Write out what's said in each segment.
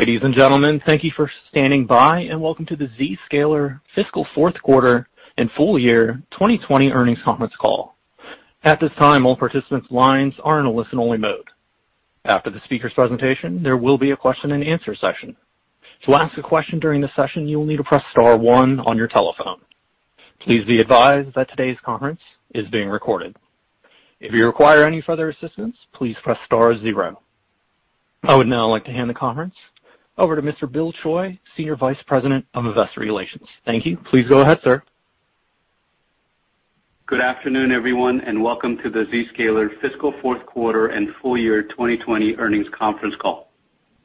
Ladies and gentlemen, thank you for standing by and welcome to the Zscaler Fiscal Fourth Quarter and Full-Year 2020 Earnings Conference Call. I would now like to hand the conference over to Mr. Bill Choi, Senior Vice President of Investor Relations. Thank you. Please go ahead, sir. Good afternoon, everyone, welcome to the Zscaler Fiscal Fourth Quarter and Full-Year 2020 Earnings Conference Call.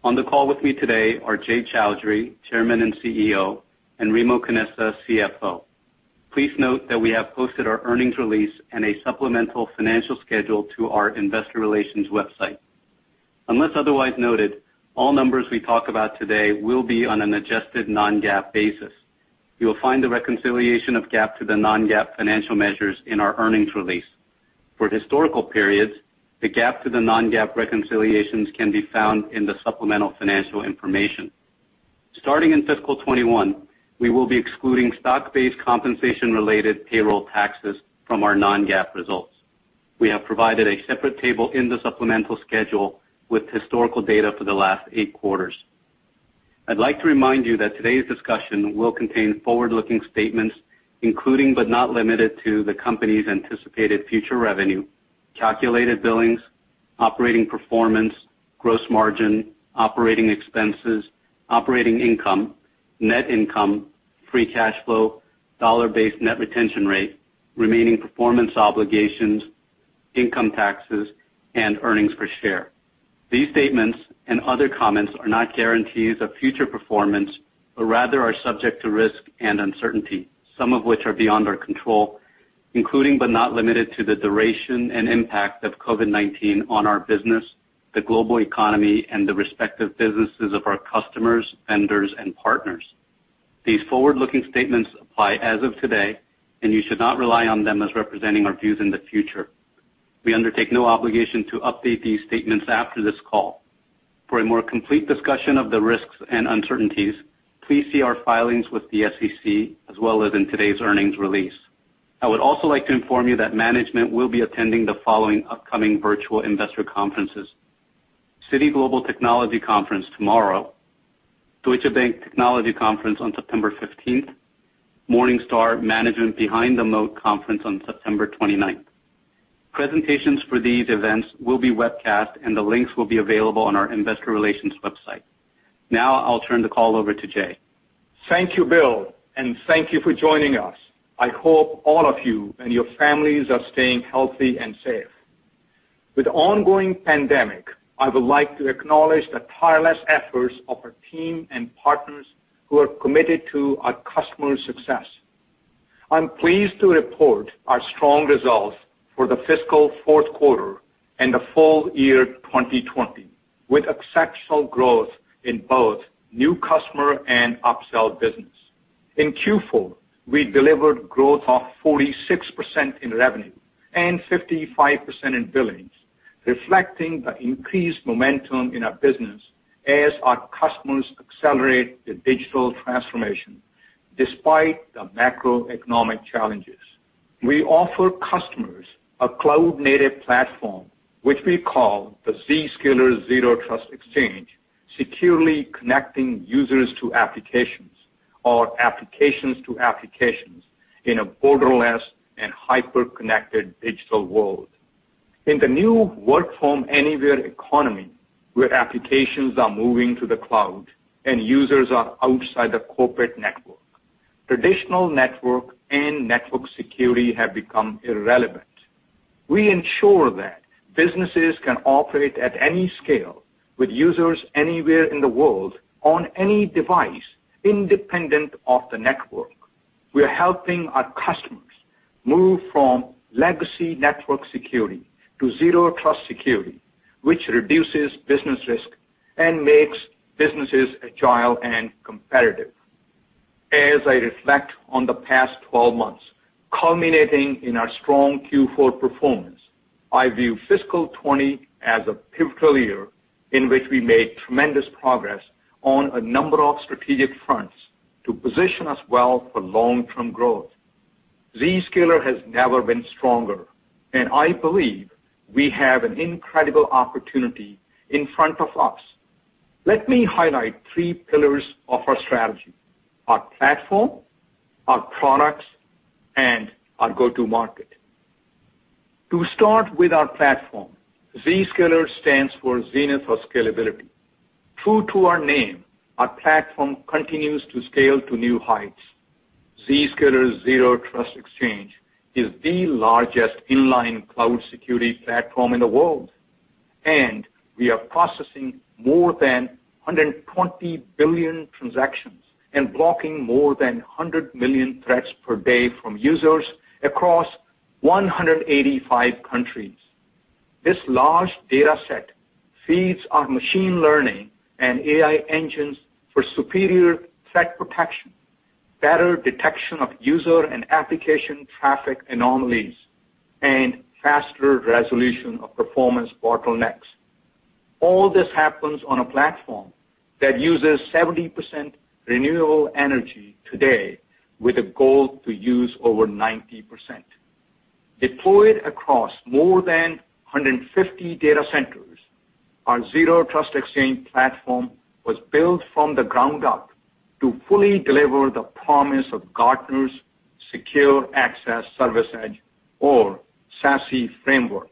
On the call with me today are Jay Chaudhry, Chairman and CEO, and Remo Canessa, CFO. Please note that we have posted our earnings release and a supplemental financial schedule to our investor relations website. Unless otherwise noted, all numbers we talk about today will be on an adjusted non-GAAP basis. You will find the reconciliation of GAAP to the non-GAAP financial measures in our earnings release. For historical periods, the GAAP to the non-GAAP reconciliations can be found in the supplemental financial information. Starting in fiscal 2021, we will be excluding stock-based compensation related payroll taxes from our non-GAAP results. We have provided a separate table in the supplemental schedule with historical data for the last eight quarters. I'd like to remind you that today's discussion will contain forward-looking statements, including, but not limited to, the company's anticipated future revenue, calculated billings, operating performance, gross margin, operating expenses, operating income, net income, free cash flow, dollar-based net retention rate, remaining performance obligations, income taxes, and earnings per share. We undertake no obligation to update these statements after this call. For a more complete discussion of the risks and uncertainties, please see our filings with the SEC, as well as in today's earnings release. I would also like to inform you that management will be attending the following upcoming virtual investor conferences: Citi Global Technology Conference tomorrow, Deutsche Bank Technology Conference on September 15th, Morningstar Management Behind the Moat Conference on September 29th. Presentations for these events will be webcast, and the links will be available on our investor relations website. Now I'll turn the call over to Jay. Thank you, Bill. Thank you for joining us. I hope all of you and your families are staying healthy and safe. With the ongoing pandemic, I would like to acknowledge the tireless efforts of our team and partners who are committed to our customers' success. I'm pleased to report our strong results a cloud-native platform, which we call the Zscaler Zero Trust Exchange, securely connecting users to applications or applications to applications in a borderless and hyper-connected digital world. In the new work-from-anywhere economy, where applications are moving to the cloud and users are outside the corporate network. Traditional network and network security have become irrelevant. We ensure that businesses can operate at any scale with users anywhere in the world on any device, independent of the network. We are helping our customers move from legacy network security to Zero Trust security, which reduces business risk and makes businesses agile and competitive. As I reflect on the past 12 months, culminating in our strong Q4 performance, I view fiscal 2020 as a pivotal year in which we made tremendous progress on a number of strategic fronts to position us well for long-term growth. Zscaler has never been stronger, and I believe we have an incredible opportunity in front of us. Let me highlight three pillars of our strategy. Our platform, our products, and our go-to market. To start with our platform, Zscaler stands for Zenith of Scalability. True to our name, our platform continues to scale to new heights. Zscaler's Zero Trust Exchange is the largest inline cloud security platform in the world. We are processing more than 120 billion transactions and blocking more than 100 million threats per day from users across 185 countries. This large data set feeds our machine learning and AI engines for superior threat protection, better detection of user and application traffic anomalies, and faster resolution of performance bottlenecks. All this happens on a platform that uses 70% renewable energy today with a goal to use over 90%. Deployed across more than 150 data centers, our Zero Trust Exchange platform was built from the ground up to fully deliver the promise of Gartner's Secure Access Service Edge, or SASE framework.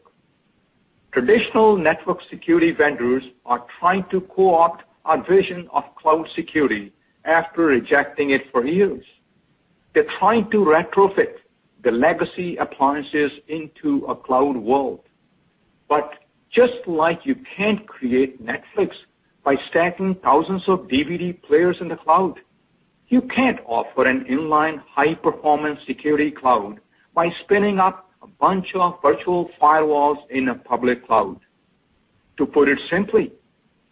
Traditional network security vendors are trying to co-opt our vision of cloud security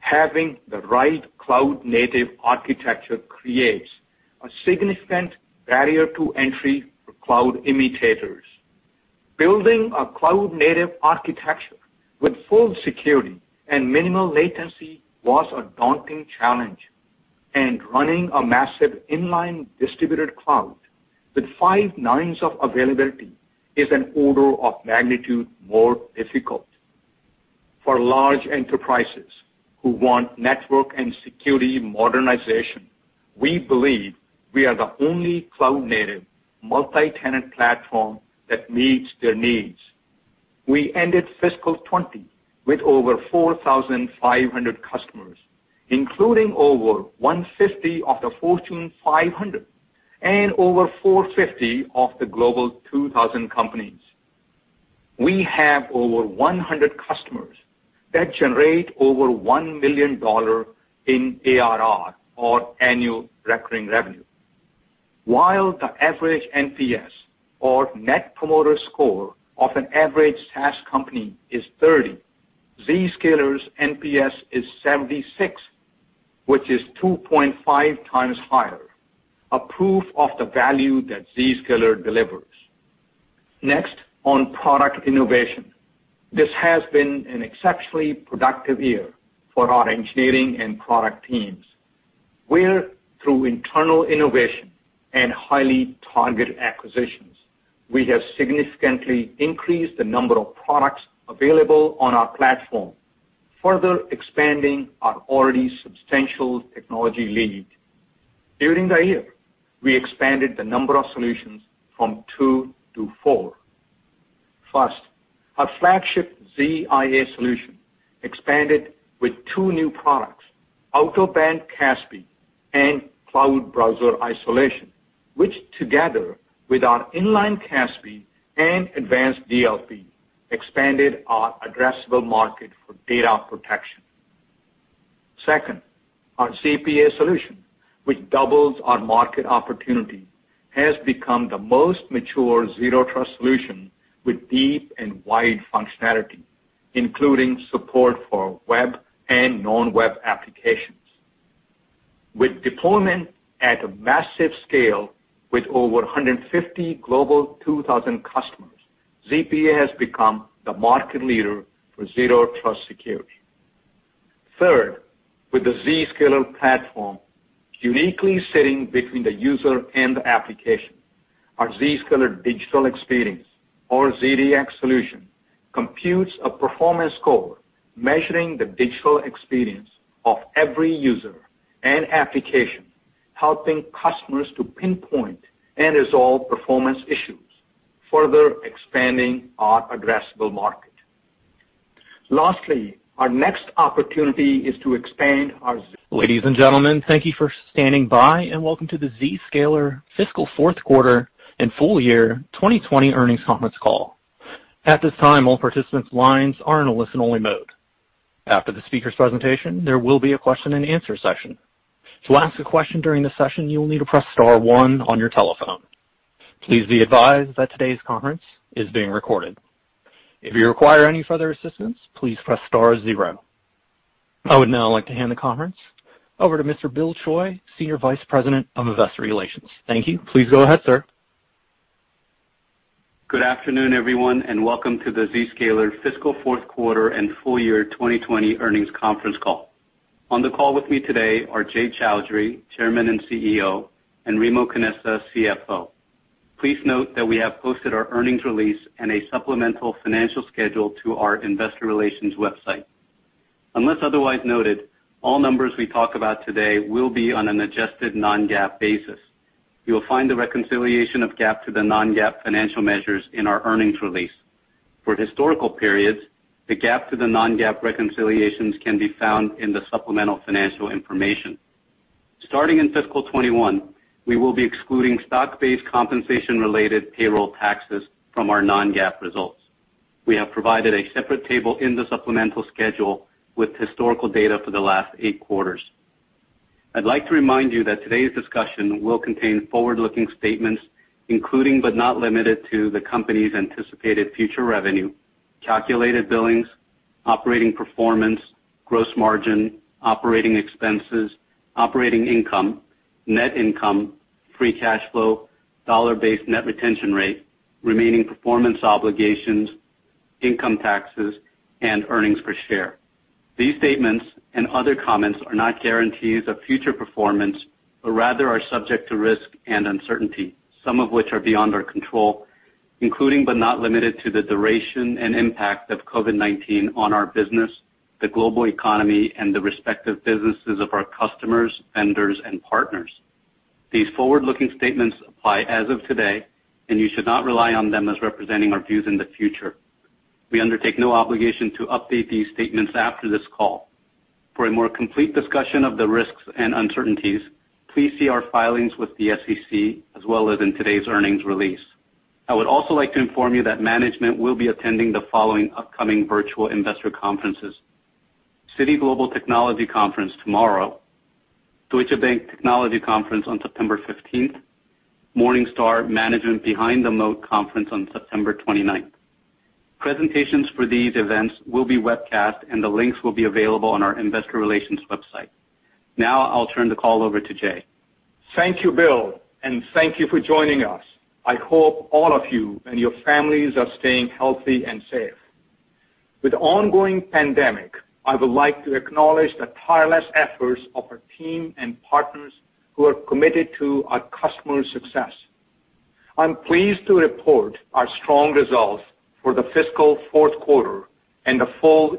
having the right cloud-native architecture creates a significant barrier to entry for cloud imitators. Building a cloud-native architecture with full security and minimal latency was a daunting challenge, and running a massive inline distributed cloud with five nines of availability is an order of magnitude more difficult. For large enterprises who want network and security modernization, we believe we are the only cloud-native multi-tenant platform that meets their needs. We ended fiscal 2020 with over 4,500 customers, including over 150 of the Fortune 500 and over 450 of the Global 2000 companies. We have over 100 customers that generate over $1 million in ARR or annual recurring revenue. While the average NPS or net promoter score of an average SaaS company is 30, Zscaler's NPS is 76, which is 2.5x higher, a proof of the value that Zscaler delivers. Next, on product innovation. This has been an exceptionally productive year for our engineering and product teams, where through internal innovation and highly targeted acquisitions, we have significantly increased the number of products available on our platform, further expanding our already substantial technology lead. During the year, we expanded the number of solutions from two to four. First, our flagship ZIA solution expanded with two new products, Out-of-Band CASB and Cloud Browser Isolation, which together with our inline CASB and advanced DLP, expanded our addressable market for data protection. Second, our ZPA solution, which doubles our market opportunity, has become the most mature Zero Trust solution with deep and wide functionality, including support for web and non-web applications. With deployment at a massive scale with over 150 Global 2000 customers, ZPA has become the market leader for Zero Trust security. Third, with the Zscaler platform uniquely sitting between the user and the application. Our Zscaler Digital Experience or ZDX solution computes a performance score, measuring the digital experience of every user and application, helping customers to pinpoint and resolve performance issues, further expanding our addressable market. Lastly, our next opportunity is to expand ZPA is providing secure access to over half a million unique applications. Another proof point of its maturity and scalability. Next, one of the world's largest IT services company with headquarters in Asia purchased ZPA for all 180,000 employees. This customer was using virtual firewalls and VPNs to protect the applications in the public cloud. They viewed each internet-facing firewall or VPN as an attack surface that they wanted to eliminate. With the ZPA rollout, the customer reduced the internet become very comprehensive, helping us displace CASB point products and increase our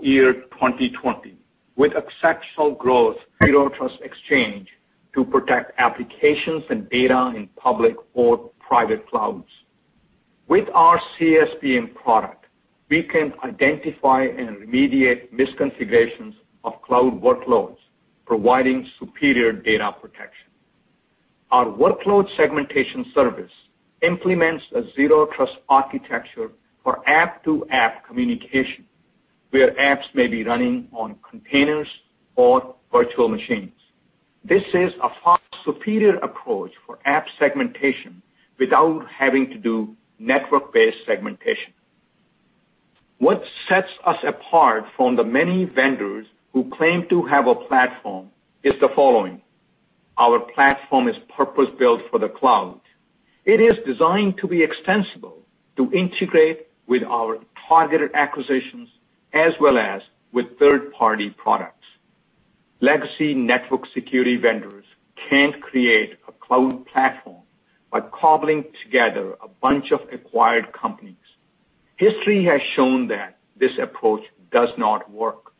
deal size. Zero Trust Exchange to protect applications and data in public or private clouds. With our CSPM product, we can identify and remediate misconfigurations of cloud workloads, providing superior data protection. Our workload segmentation service implements a zero trust architecture for app-to-app communication, where apps may be running on containers or virtual machines. This is a far superior approach for app segmentation without having to do network-based segmentation. What sets us apart from the many vendors who claim to have a platform is the following. Our platform is purpose-built for the cloud. It is designed to be extensible to integrate with our targeted acquisitions as well as with third-party products. Legacy network security vendors can't create a cloud platform by cobbling together a bunch of acquired companies. History has shown that this approach does not work.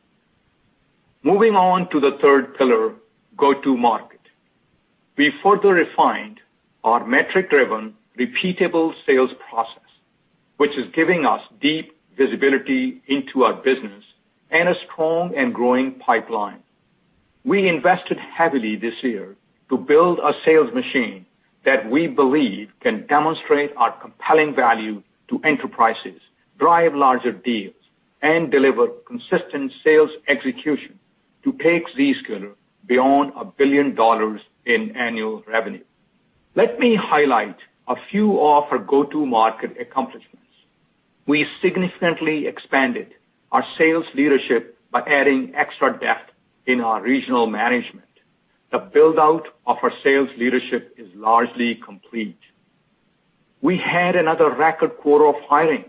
Moving on to the third pillar, go-to-market. We further refined our metric-driven repeatable sales process, which is giving us deep visibility into our business and a strong and growing pipeline. We invested heavily this year to build a sales machine that we believe can demonstrate our compelling value to enterprises, drive larger deals, and deliver consistent sales execution to take Zscaler beyond $1 billion in annual revenue. Let me highlight a few of our go-to-market accomplishments. We significantly expanded our sales leadership by adding extra depth in our regional management. The build-out of our sales leadership is largely complete. We had another record quarter of hiring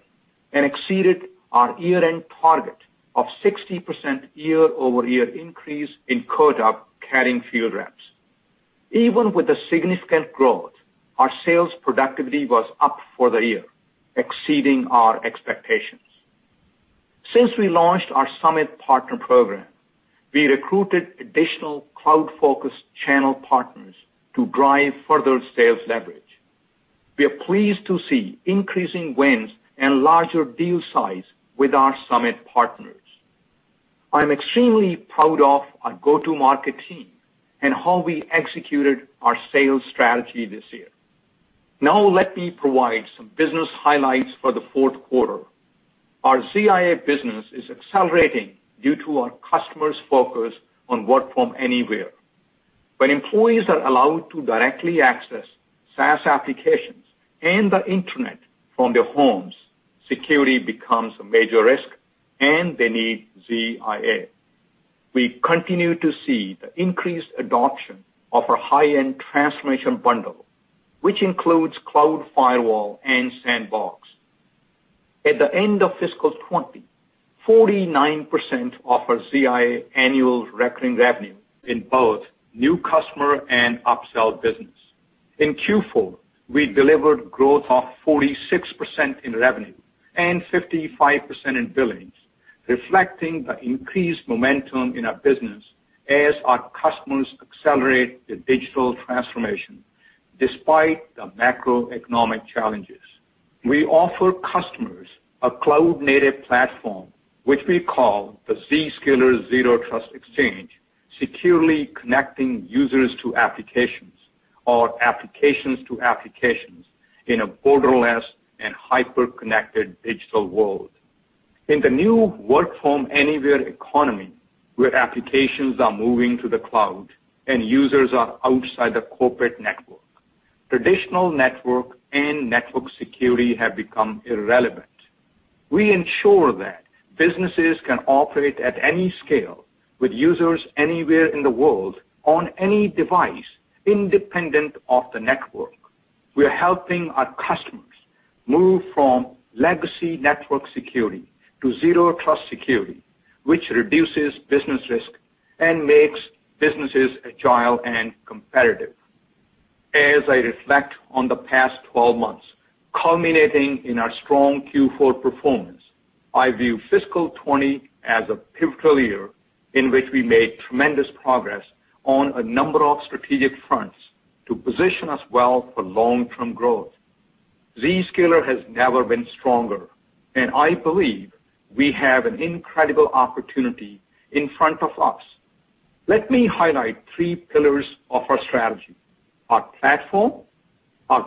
and exceeded our year-end target of 60% year-over-year increase in quota-carrying field reps. Even with the significant growth, our sales productivity was up for the year, exceeding our expectations. Since we launched our Summit Partner Program, we recruited additional cloud-focused channel partners to drive further sales leverage. We are pleased to see increasing wins and larger deal size with our Summit partners. I'm extremely proud of our go-to-market team and how we executed our sales strategy this year. Let me provide some business highlights for the fourth quarter. Our ZIA business is accelerating due to our customers' focus on work from anywhere. When employees are allowed to directly access SaaS applications and the internet from their homes, security becomes a major risk, and they need ZIA. We continue to see the increased adoption of our high-end transformation bundle, compared to 14% in the prior year. We are seeing a higher attach rate of ZPA, both in the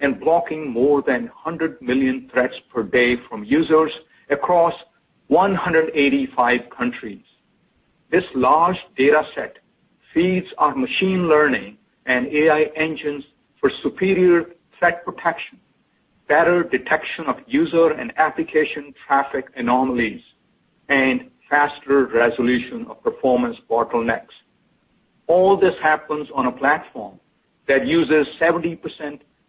number of deals and the number of seats per deal. We see a good mix of ZPA opportunities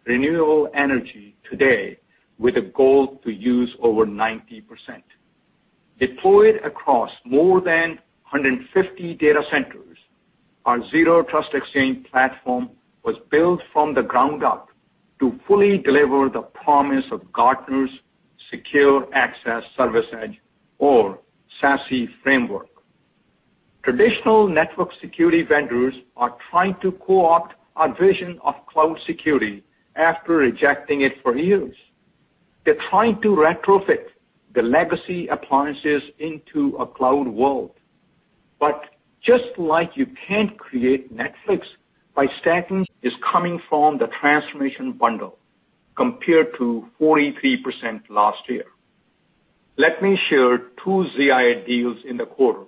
between new and existing customers. We have a large upsell opportunity as only 35% of our 450 Global 2000 customers have purchased ZPA. Our strong customer retention and ability to upsell have resulted in a consistently high dollar-based net retention rate, which is 120% for the quarter, compared to 118% a year ago and 119% last quarter. As we have highlighted, this metric will vary quarter to quarter. While good for our business, our increased success selling bigger transformation bundles, selling both ZIA and ZPA from the start, and faster upsells within a year can reduce our dollar-based net retention rate in the future. Considering these factors, we feel that 120- Is coming from the transformation bundle, compared to 43% last year. Let me share two ZIA deals in the quarter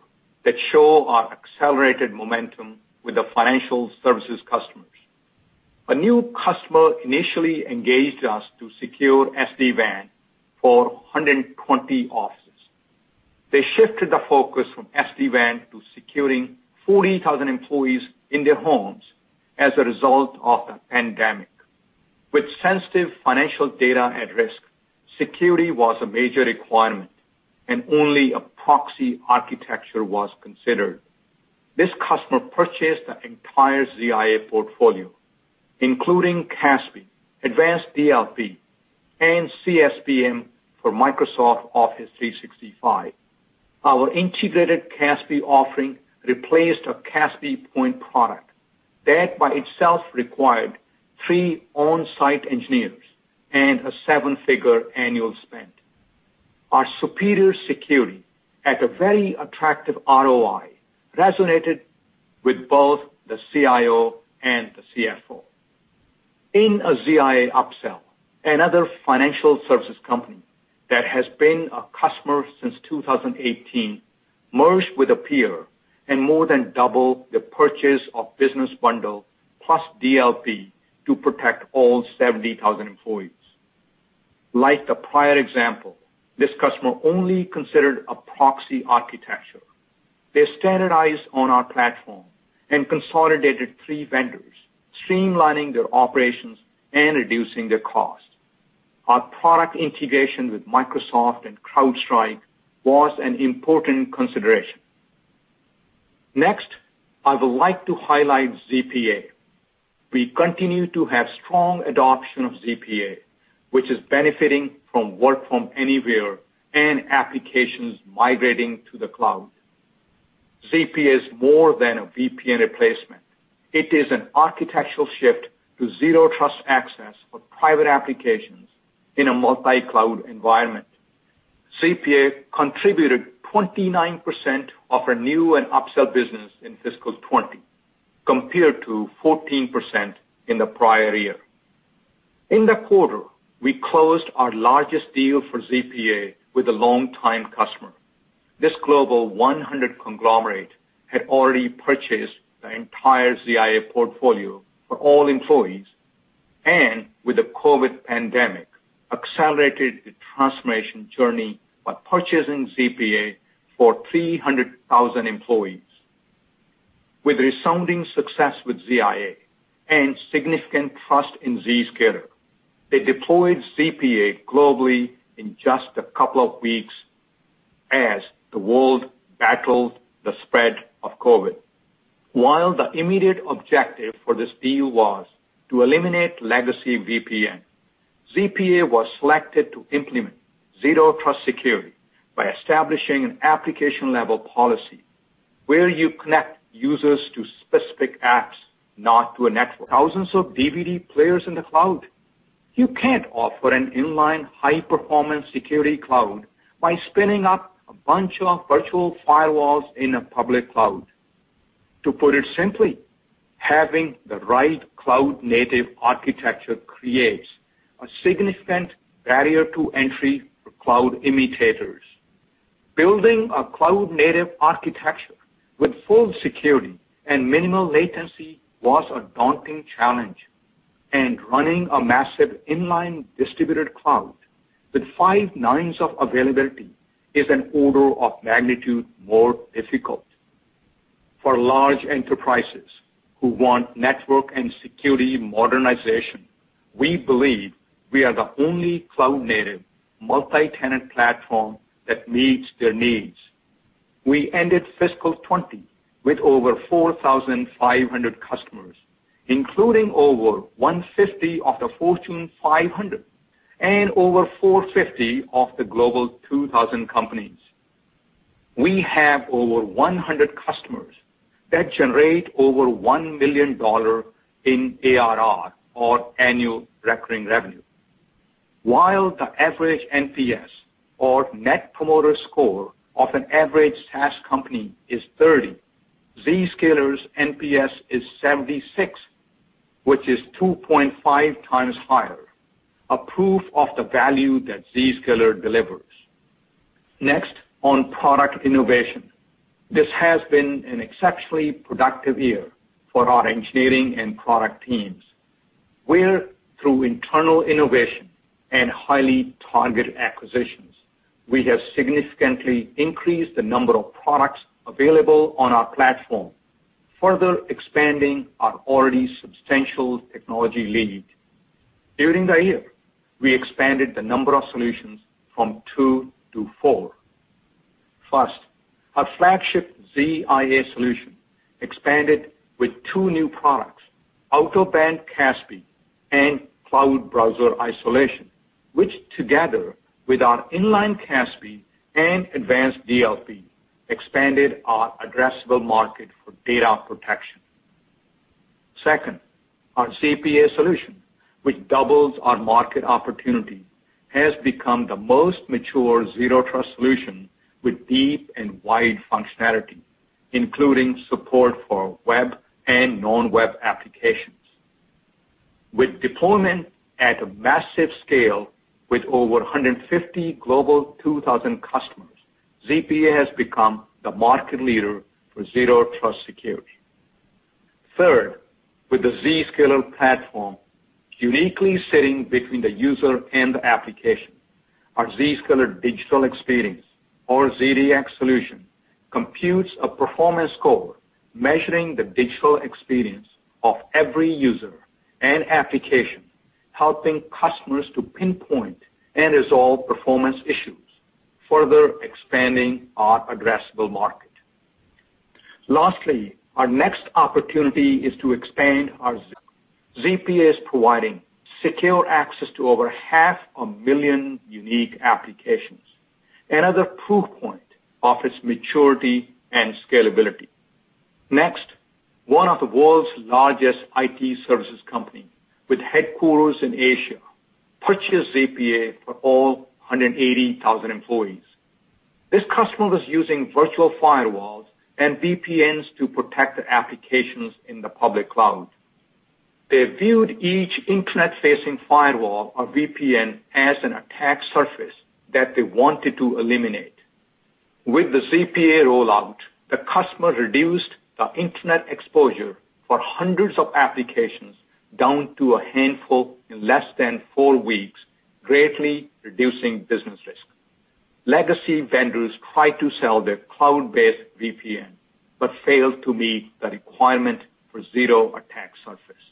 that show our accelerated momentum with the financial services customers. A new customer initially engaged us to secure SD-WAN for 120 offices. They shifted the focus from SD-WAN to securing 40,000 employees in their homes as a result of the pandemic. With sensitive financial data at risk, security was a major requirement, and only a proxy architecture was considered. This customer purchased the entire ZIA portfolio, including CASB, advanced DLP, and CSPM for Microsoft Office 365. Our integrated CASB offering replaced a CASB point product that by itself required three on-site engineers and a seven-figure annual spend. Our superior security at a very attractive ROI resonated with both the CIO and the CFO. In a ZIA upsell, another financial services company that has been a customer since 2018 merged with a peer and more than doubled the purchase of business bundle plus DLP to protect all 70,000 employees. Like the prior example, this customer only considered a proxy architecture. They standardized on our platform and consolidated three vendors, streamlining their operations and reducing their cost. Our product integration with Microsoft and CrowdStrike was an important consideration. I would like to highlight ZPA. We continue to have strong adoption of ZPA, which is benefiting from work from anywhere and applications migrating to the cloud. ZPA is more than a VPN replacement. It is an architectural shift to zero trust access for private applications in a multi-cloud environment. ZPA contributed 29% of our new and upsell business in fiscal 2020, compared to 14% in the prior year. In the quarter, we closed our largest deal for ZPA with a long-time customer. This Global 100 conglomerate had already purchased the entire ZIA portfolio for all employees, and with the COVID pandemic, accelerated the transformation journey by purchasing ZPA for 300,000 employees. With resounding success with ZIA and significant trust in Zscaler, they deployed ZPA globally in just a couple of weeks as the world battled the spread of COVID. While the immediate objective for this deal was to eliminate legacy VPN, ZPA was selected to implement zero trust security by establishing an application-level policy where you connect users to specific apps, not to a network. 90% is outstanding. Total gross margin was 78%, down two percentage points sequentially and three points year-over-year. The decline is primarily due to ZPA traffic growing Another proof point of its maturity and scalability. Next, one of the world's largest IT services company, with headquarters in Asia, purchased ZPA for all 180,000 employees. This customer was using virtual firewalls and VPNs to protect the applications in the public cloud. They viewed each internet-facing firewall or VPN as an attack surface that they wanted to eliminate. With the ZPA rollout, the customer reduced the internet exposure for hundreds of applications down to a handful in less than four weeks, greatly reducing business risk. Legacy vendors tried to sell their cloud-based VPN, but failed to meet the requirement for zero attack surface.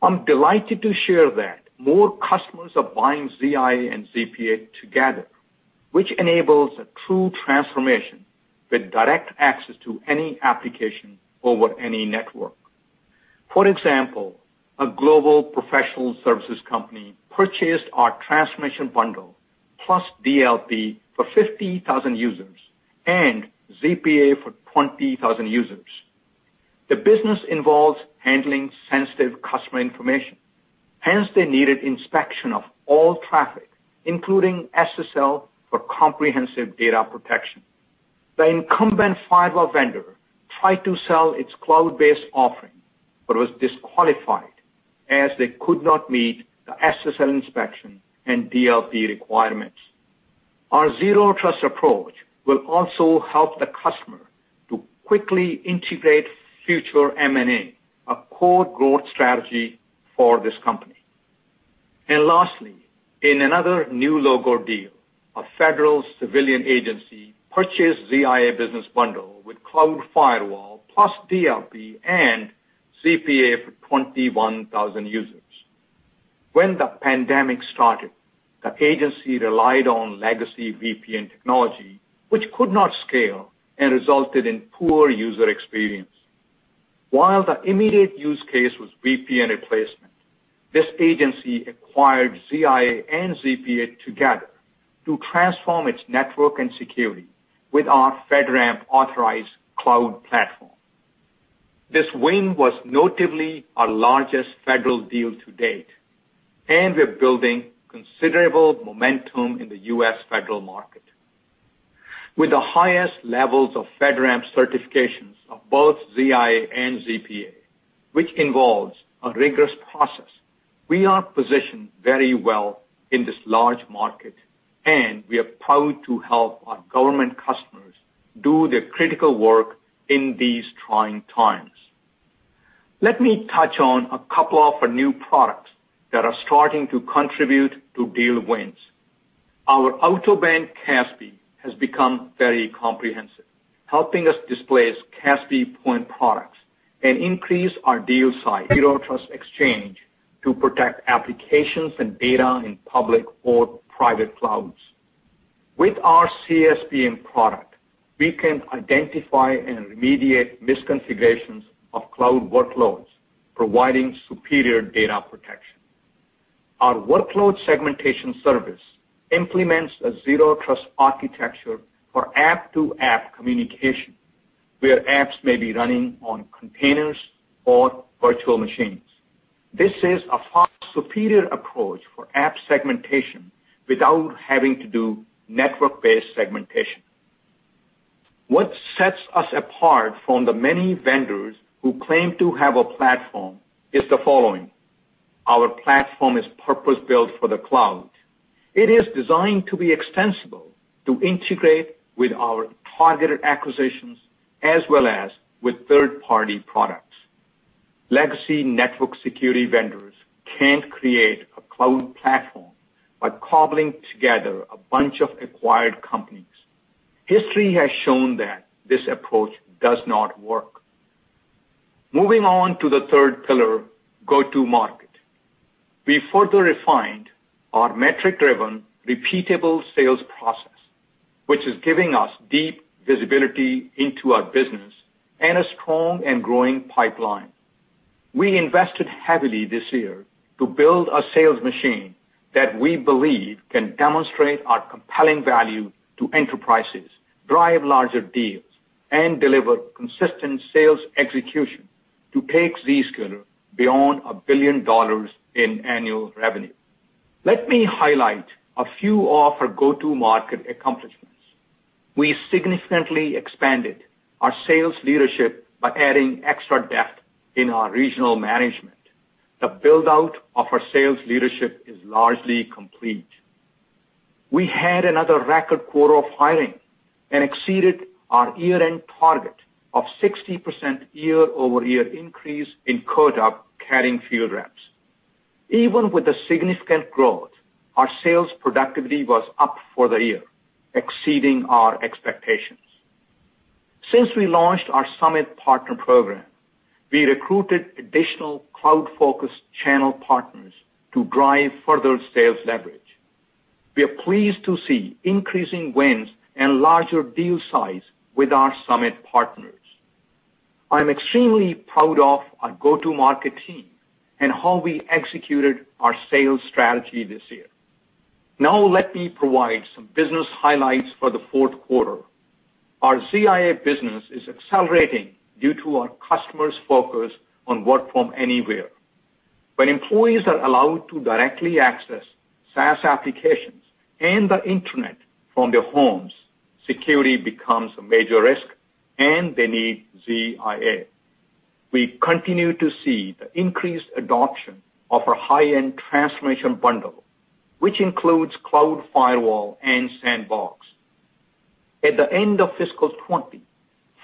I'm delighted to share that more customers are buying ZIA and ZPA together, which enables a true transformation with direct access to any application over any network. For example, a global professional services company purchased our transformation bundle plus DLP for 50,000 users and ZPA for 20,000 users. The business involves handling sensitive customer information. Hence, they needed inspection of all traffic, including SSL for comprehensive data protection. The incumbent firewall vendor tried to sell its cloud-based offering but was disqualified as they could not meet the SSL inspection and DLP requirements. Our zero trust approach will also help the customer to quickly integrate future M&A, a core growth strategy for this company. Lastly, in another new logo deal, a federal civilian agency purchased ZIA business bundle with cloud firewall plus DLP and ZPA for 21,000 users. When the pandemic started, the agency relied on legacy VPN technology, which could not scale and resulted in poor user experience. While the immediate use case was VPN replacement, this agency acquired ZIA and ZPA together to transform its network and security with our FedRAMP authorized cloud platform. This win was notably our largest federal deal to date. We're building considerable momentum in the U.S. federal market. With the highest levels of FedRAMP certifications of both ZIA and ZPA, which involves a rigorous process, we are positioned very well in this large market, and we are proud to help our government customers. Do the critical work in these trying times. Let me touch on a couple of our new products that are starting to contribute to deal wins. Our Out-of-Band CASB has become very comprehensive, helping us displace CASB point products and increase our deal size,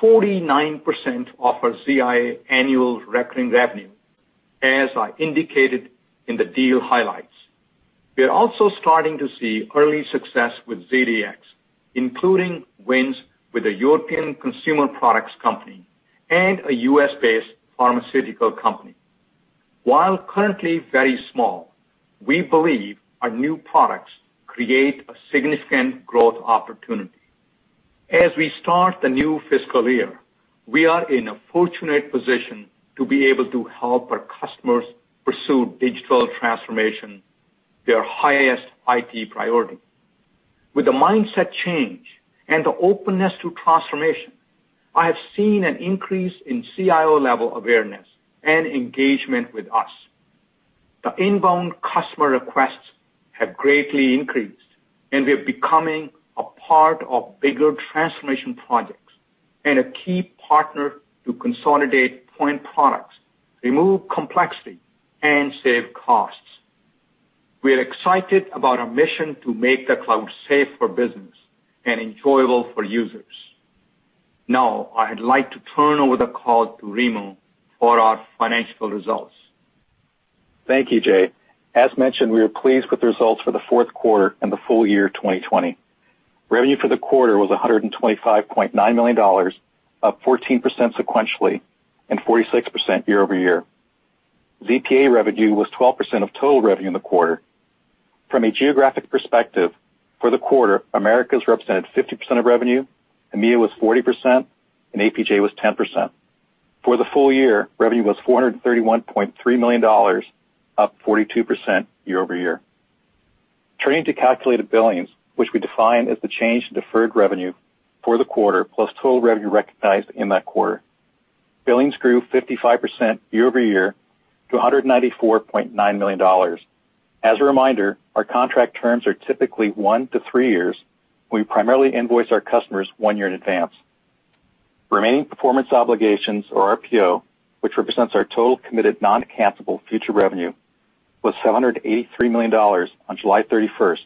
as I indicated in the deal highlights. We are also starting to see early success with ZDX, including wins with a European consumer products company and a U.S.-based pharmaceutical company. While currently very small, we believe our new products create a significant growth opportunity. As we start the new fiscal year, we are in a fortunate position to be able to help our customers pursue digital transformation, their highest IT priority. With the mindset change and the openness to transformation, I have seen an increase in CIO-level awareness and engagement with us. The inbound customer requests have greatly increased, and we're becoming a part of bigger transformation projects and a key partner to consolidate point products, remove complexity, and save costs. We are excited about our mission to make the cloud safe for business and enjoyable for users. Now, I'd like to turn over the call to Remo for our financial results. Thank you, Jay. As mentioned, we are pleased with the results for the fourth quarter and the full-year 2020. Revenue for the quarter was $125.9 million, up 14% sequentially and 46% year-over-year. ZPA revenue was 12% of total revenue in the quarter. From a geographic perspective, for the quarter, Americas represented 50% of revenue, EMEA was 40%, and APJ was 10%. For the full-year, revenue was $431.3 million, up 42% year-over-year. Turning to calculated billings, which we define as the change in deferred revenue for the quarter, plus total revenue recognized in that quarter. Billings grew 55% year-over-year to $194.9 million. As a reminder, our contract terms are typically one to three years. We primarily invoice our customers one year in advance. Remaining performance obligations or RPO, which represents our total committed non-cancelable future revenue, was $783 million on July 31st,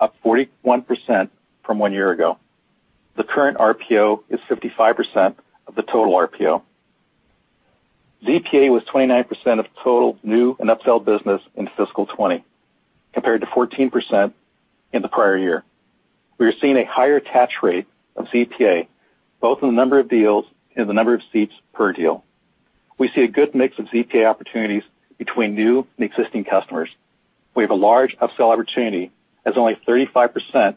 up 41% from one year ago. The current RPO is 55% of the total RPO. ZPA was 29% of total new and upsell business in fiscal 2020, compared to 14% in the prior year. We are seeing a higher attach rate of ZPA, both in the number of deals and the number of seats per deal. We see a good mix of ZPA opportunities between new and existing customers. We have a large upsell opportunity as only 35%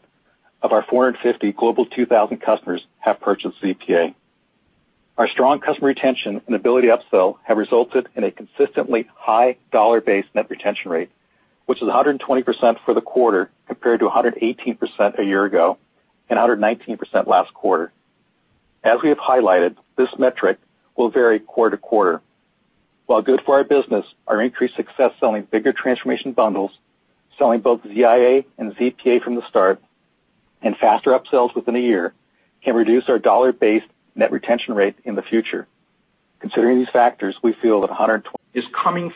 of our 450 Global 2000 customers have purchased ZPA. Our strong customer retention and ability to upsell have resulted in a consistently high dollar-based net retention rate, which is 120% for the quarter, compared to 118% a year ago and 119% last quarter. As we have highlighted, this metric will vary quarter-to-quarter. While good for our business, our increased success selling bigger transformation bundles, selling both ZIA and ZPA from the start, and faster upsells within a year, can reduce our dollar-based net retention rate in the future. Considering these factors, we feel that 120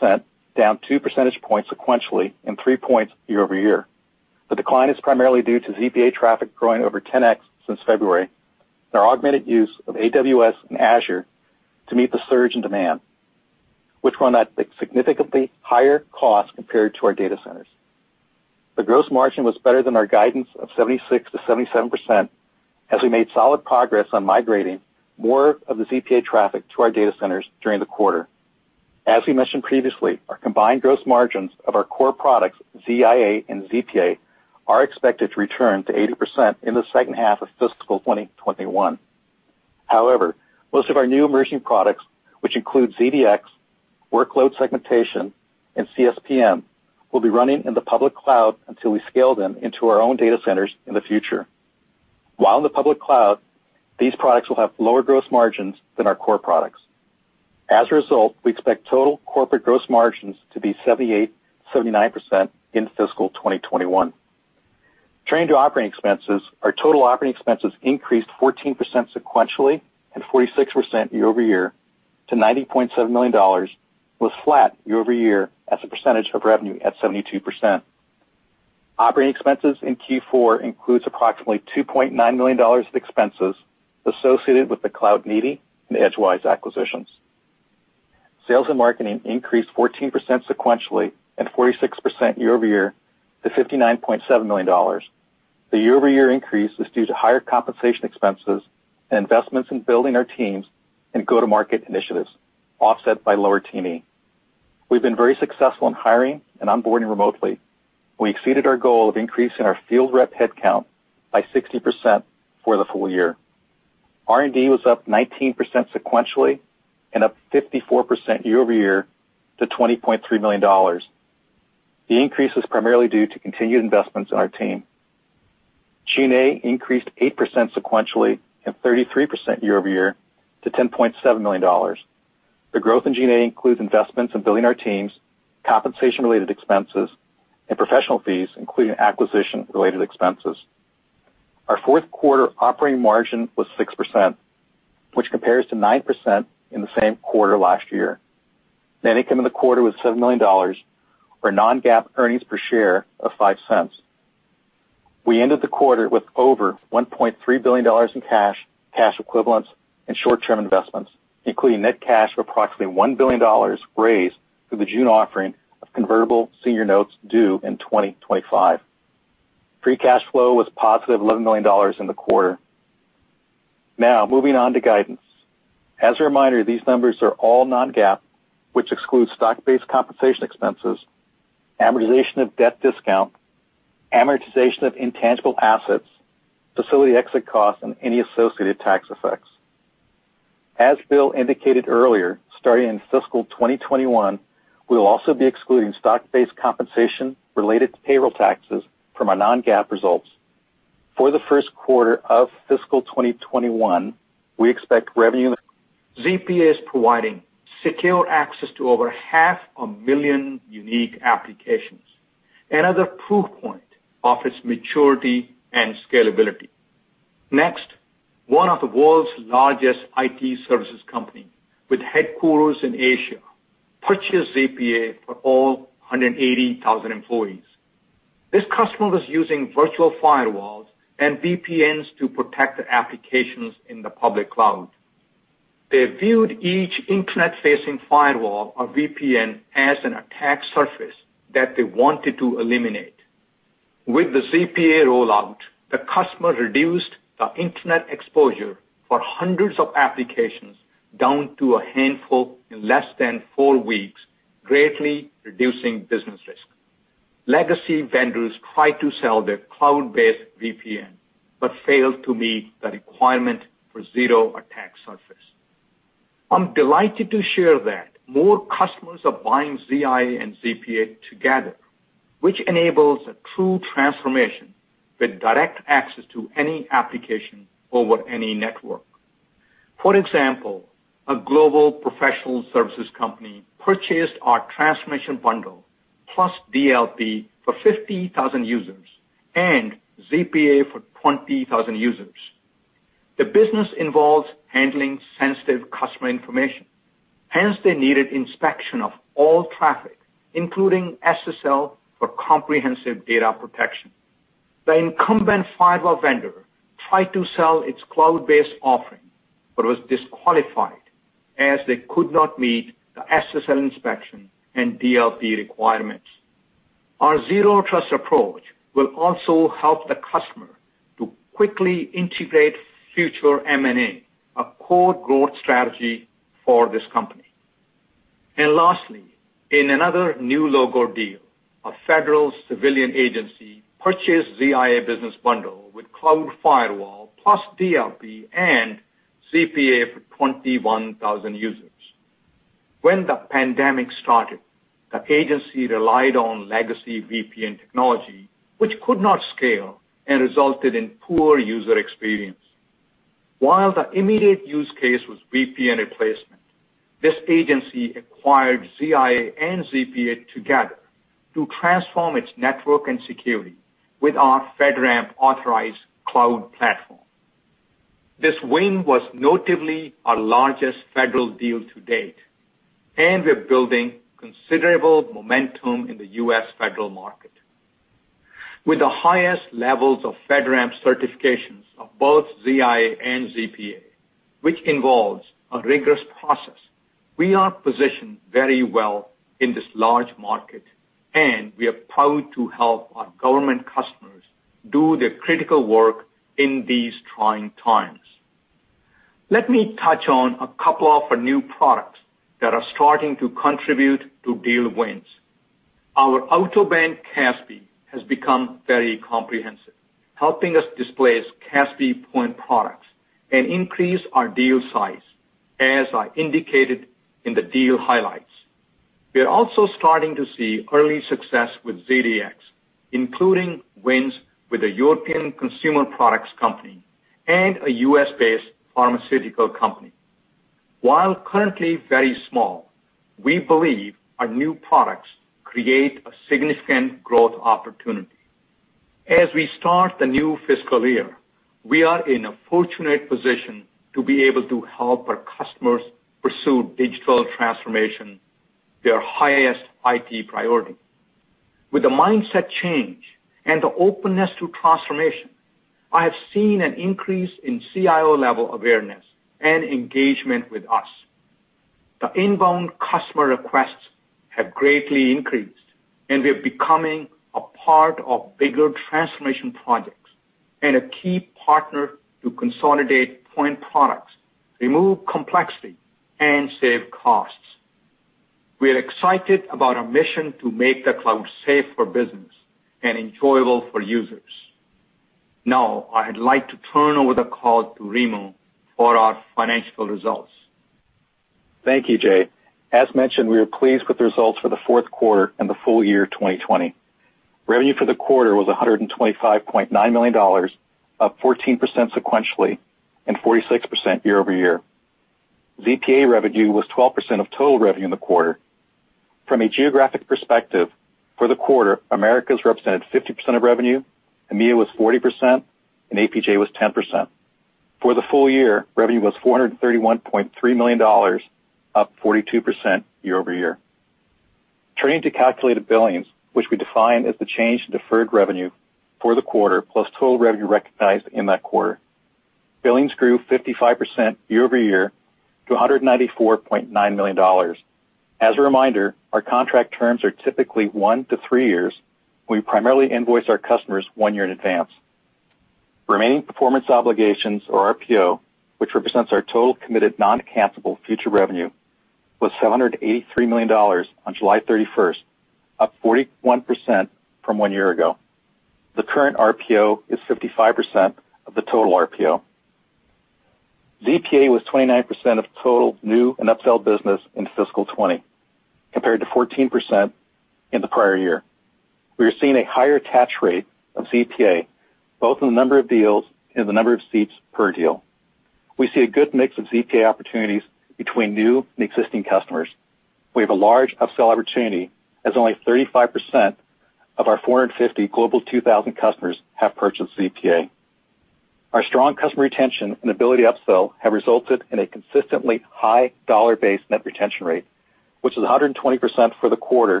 range of $131 million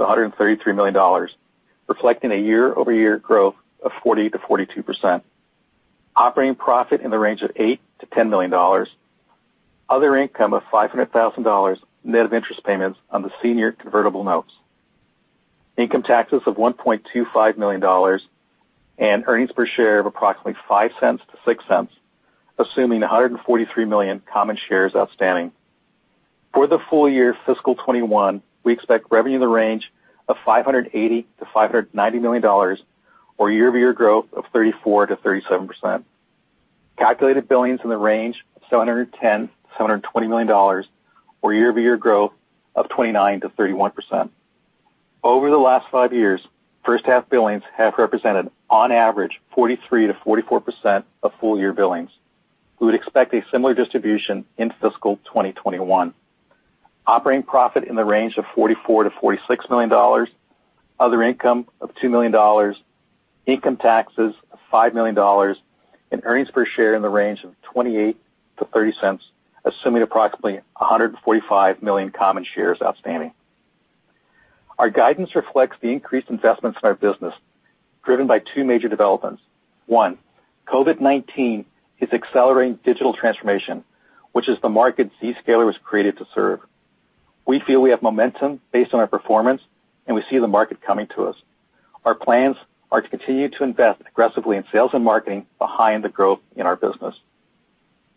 to $133 million, reflecting a year-over-year growth of 40%-42%. Operating profit in the range of $8 million to $10 million. Other income of $500,000, net of interest payments on the senior convertible notes. Income taxes of $1.25 million and earnings per share of approximately $0.05-$0.06, assuming 143 million common shares outstanding. For the full-year FY 2021, we expect revenue in the range of $580 million to $590 million or year-over-year growth of 34%-37%. Calculated billings in the range of $710 million to $720 million, or year-over-year growth of 29%-31%. Over the last five years, first half billings have represented on average 43%-44% of full-year billings. We would expect a similar distribution in fiscal 2021. Operating profit in the range of $44 million to $46 million, other income of $2 million, income taxes of $5 million, and earnings per share in the range of $0.28-$0.30, assuming approximately 145 million common shares outstanding. Our guidance reflects the increased investments in our business, driven by two major developments. One, COVID-19 is accelerating digital transformation, which is the market Zscaler was created to serve. We feel we have momentum based on our performance, we see the market coming to us. Our plans are to continue to invest aggressively in sales and marketing behind the growth in our business.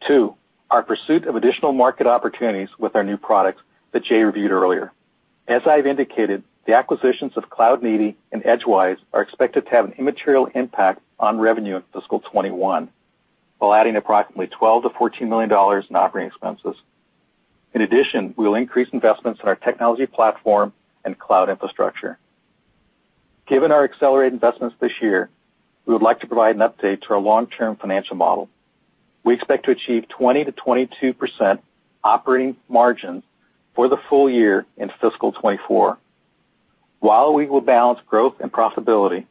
Two, our pursuit of additional market opportunities with our new products that Jay reviewed earlier. As I've indicated, the acquisitions of Cloudneeti and Edgewise are expected to have an immaterial impact on revenue in fiscal 2021, while adding approximately $12 million to $14 million in operating expenses. In addition, we'll increase investments in our technology platform and cloud infrastructure. Given our accelerated investments this year, we would like to provide an update to our long-term financial model. We expect to achieve 20%-22% operating margin for the full-year in fiscal 2024. While we will balance growth and profitability,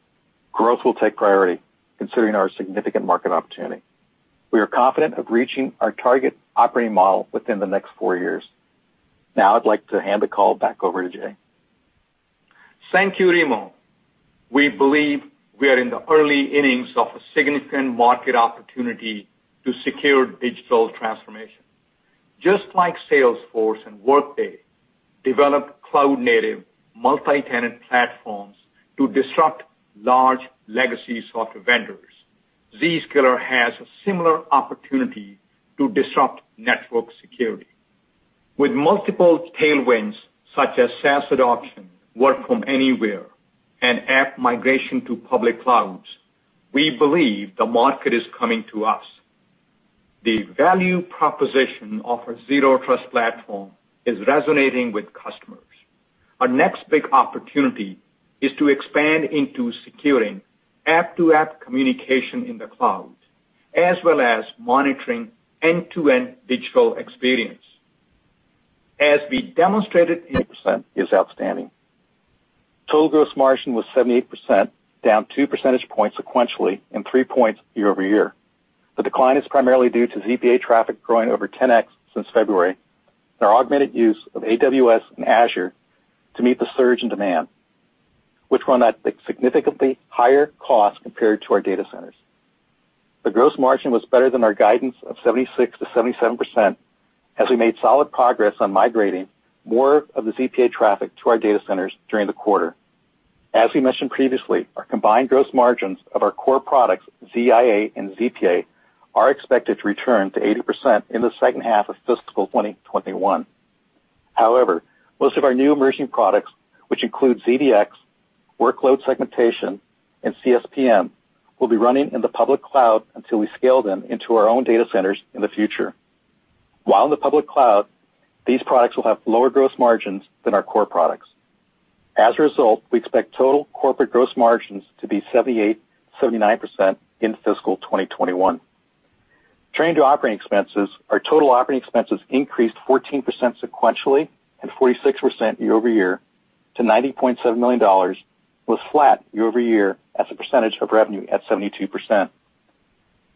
growth will take priority considering our significant market opportunity. We are confident of reaching our target operating model within the next four years. Now I'd like to hand the call back over to Jay. Thank you, Remo. We believe we are in the early innings of a significant market opportunity to secure digital transformation. Just like Salesforce and Workday developed cloud-native multi-tenant platforms to disrupt large legacy software vendors, Zscaler has a similar opportunity to disrupt network security. With multiple tailwinds such as SaaS adoption, work from anywhere, and app migration to public clouds, we believe the market is coming to us. The value proposition of a zero trust platform is resonating with customers. Our next big opportunity is to expand into securing app-to-app communication in the cloud, as well as monitoring end-to-end digital experience. As we demonstrated 80% is outstanding. Total gross margin was 78%, down two percentage points sequentially and three points year-over-year. The decline is primarily due to ZPA traffic growing over 10x since February, and our augmented use of AWS and Azure to meet the surge in demand, which run at significantly higher cost compared to our data centers. The gross margin was better than our guidance of 76%-77% as we made solid progress on migrating more of the ZPA traffic to our data centers during the quarter. As we mentioned previously, our combined gross margins of our core products, ZIA and ZPA, are expected to return to 80% in the second half of fiscal 2021. However, most of our new emerging products, which include ZDX, workload segmentation, and CSPM, will be running in the public cloud until we scale them into our own data centers in the future. While in the public cloud, these products will have lower gross margins than our core products. As a result, we expect total corporate gross margins to be 78%-79% in fiscal 2021. Turning to operating expenses, our total operating expenses increased 14% sequentially and 46% year-over-year to $90.7 million, was flat year-over-year as a percentage of revenue at 72%.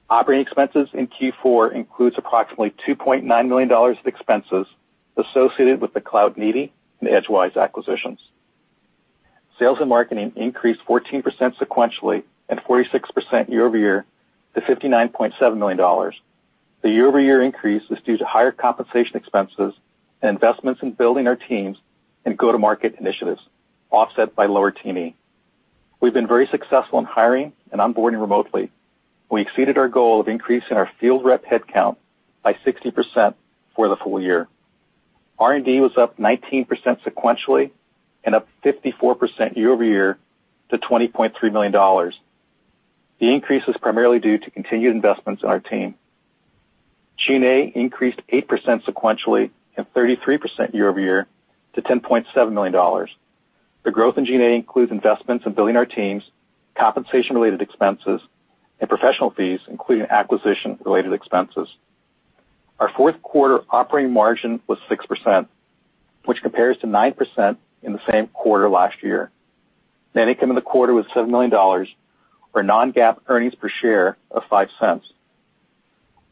Operating expenses in Q4 includes approximately $2.9 million of expenses associated with the Cloudneeti and Edgewise acquisitions. Sales and marketing increased 14% sequentially and 46% year-over-year to $59.7 million. The year-over-year increase was due to higher compensation expenses and investments in building our teams and go-to-market initiatives, offset by lower T&E. We've been very successful in hiring and onboarding remotely. We exceeded our goal of increasing our field rep headcount by 60% for the full-year. R&D was up 19% sequentially and up 54% year-over-year to $20.3 million. The increase is primarily due to continued investments in our team. G&A increased 8% sequentially and 33% year-over-year to $10.7 million. The growth in G&A includes investments in building our teams, compensation-related expenses, and professional fees, including acquisition-related expenses. Our fourth quarter operating margin was 6%, which compares to 9% in the same quarter last year. Net income in the quarter was $7 million, or non-GAAP earnings per share of $0.05.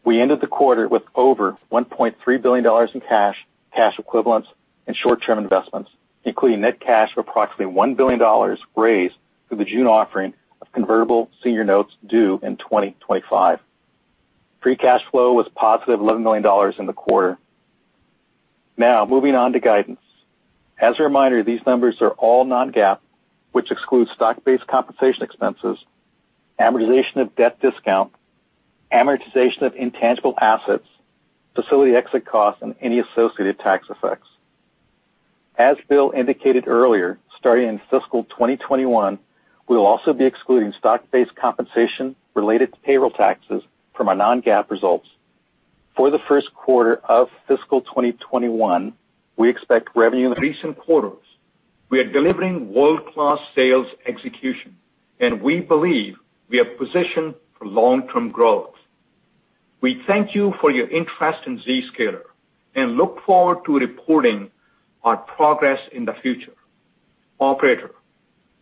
We ended the quarter with over $1.3 billion in cash equivalents, and short-term investments, including net cash of approximately $1 billion raised through the June offering of convertible senior notes due in 2025. Free cash flow was positive $11 million in the quarter. Now, moving on to guidance. As a reminder, these numbers are all non-GAAP, which excludes stock-based compensation expenses, amortization of debt discount, amortization of intangible assets, facility exit costs, and any associated tax effects. As Bill indicated earlier, starting in fiscal 2021, we will also be excluding stock-based compensation related to payroll taxes from our non-GAAP results. For the first quarter of fiscal 2021, we expect revenue Recent quarters, we are delivering world-class sales execution, and we believe we are positioned for long-term growth. We thank you for your interest in Zscaler and look forward to reporting our progress in the future. Operator,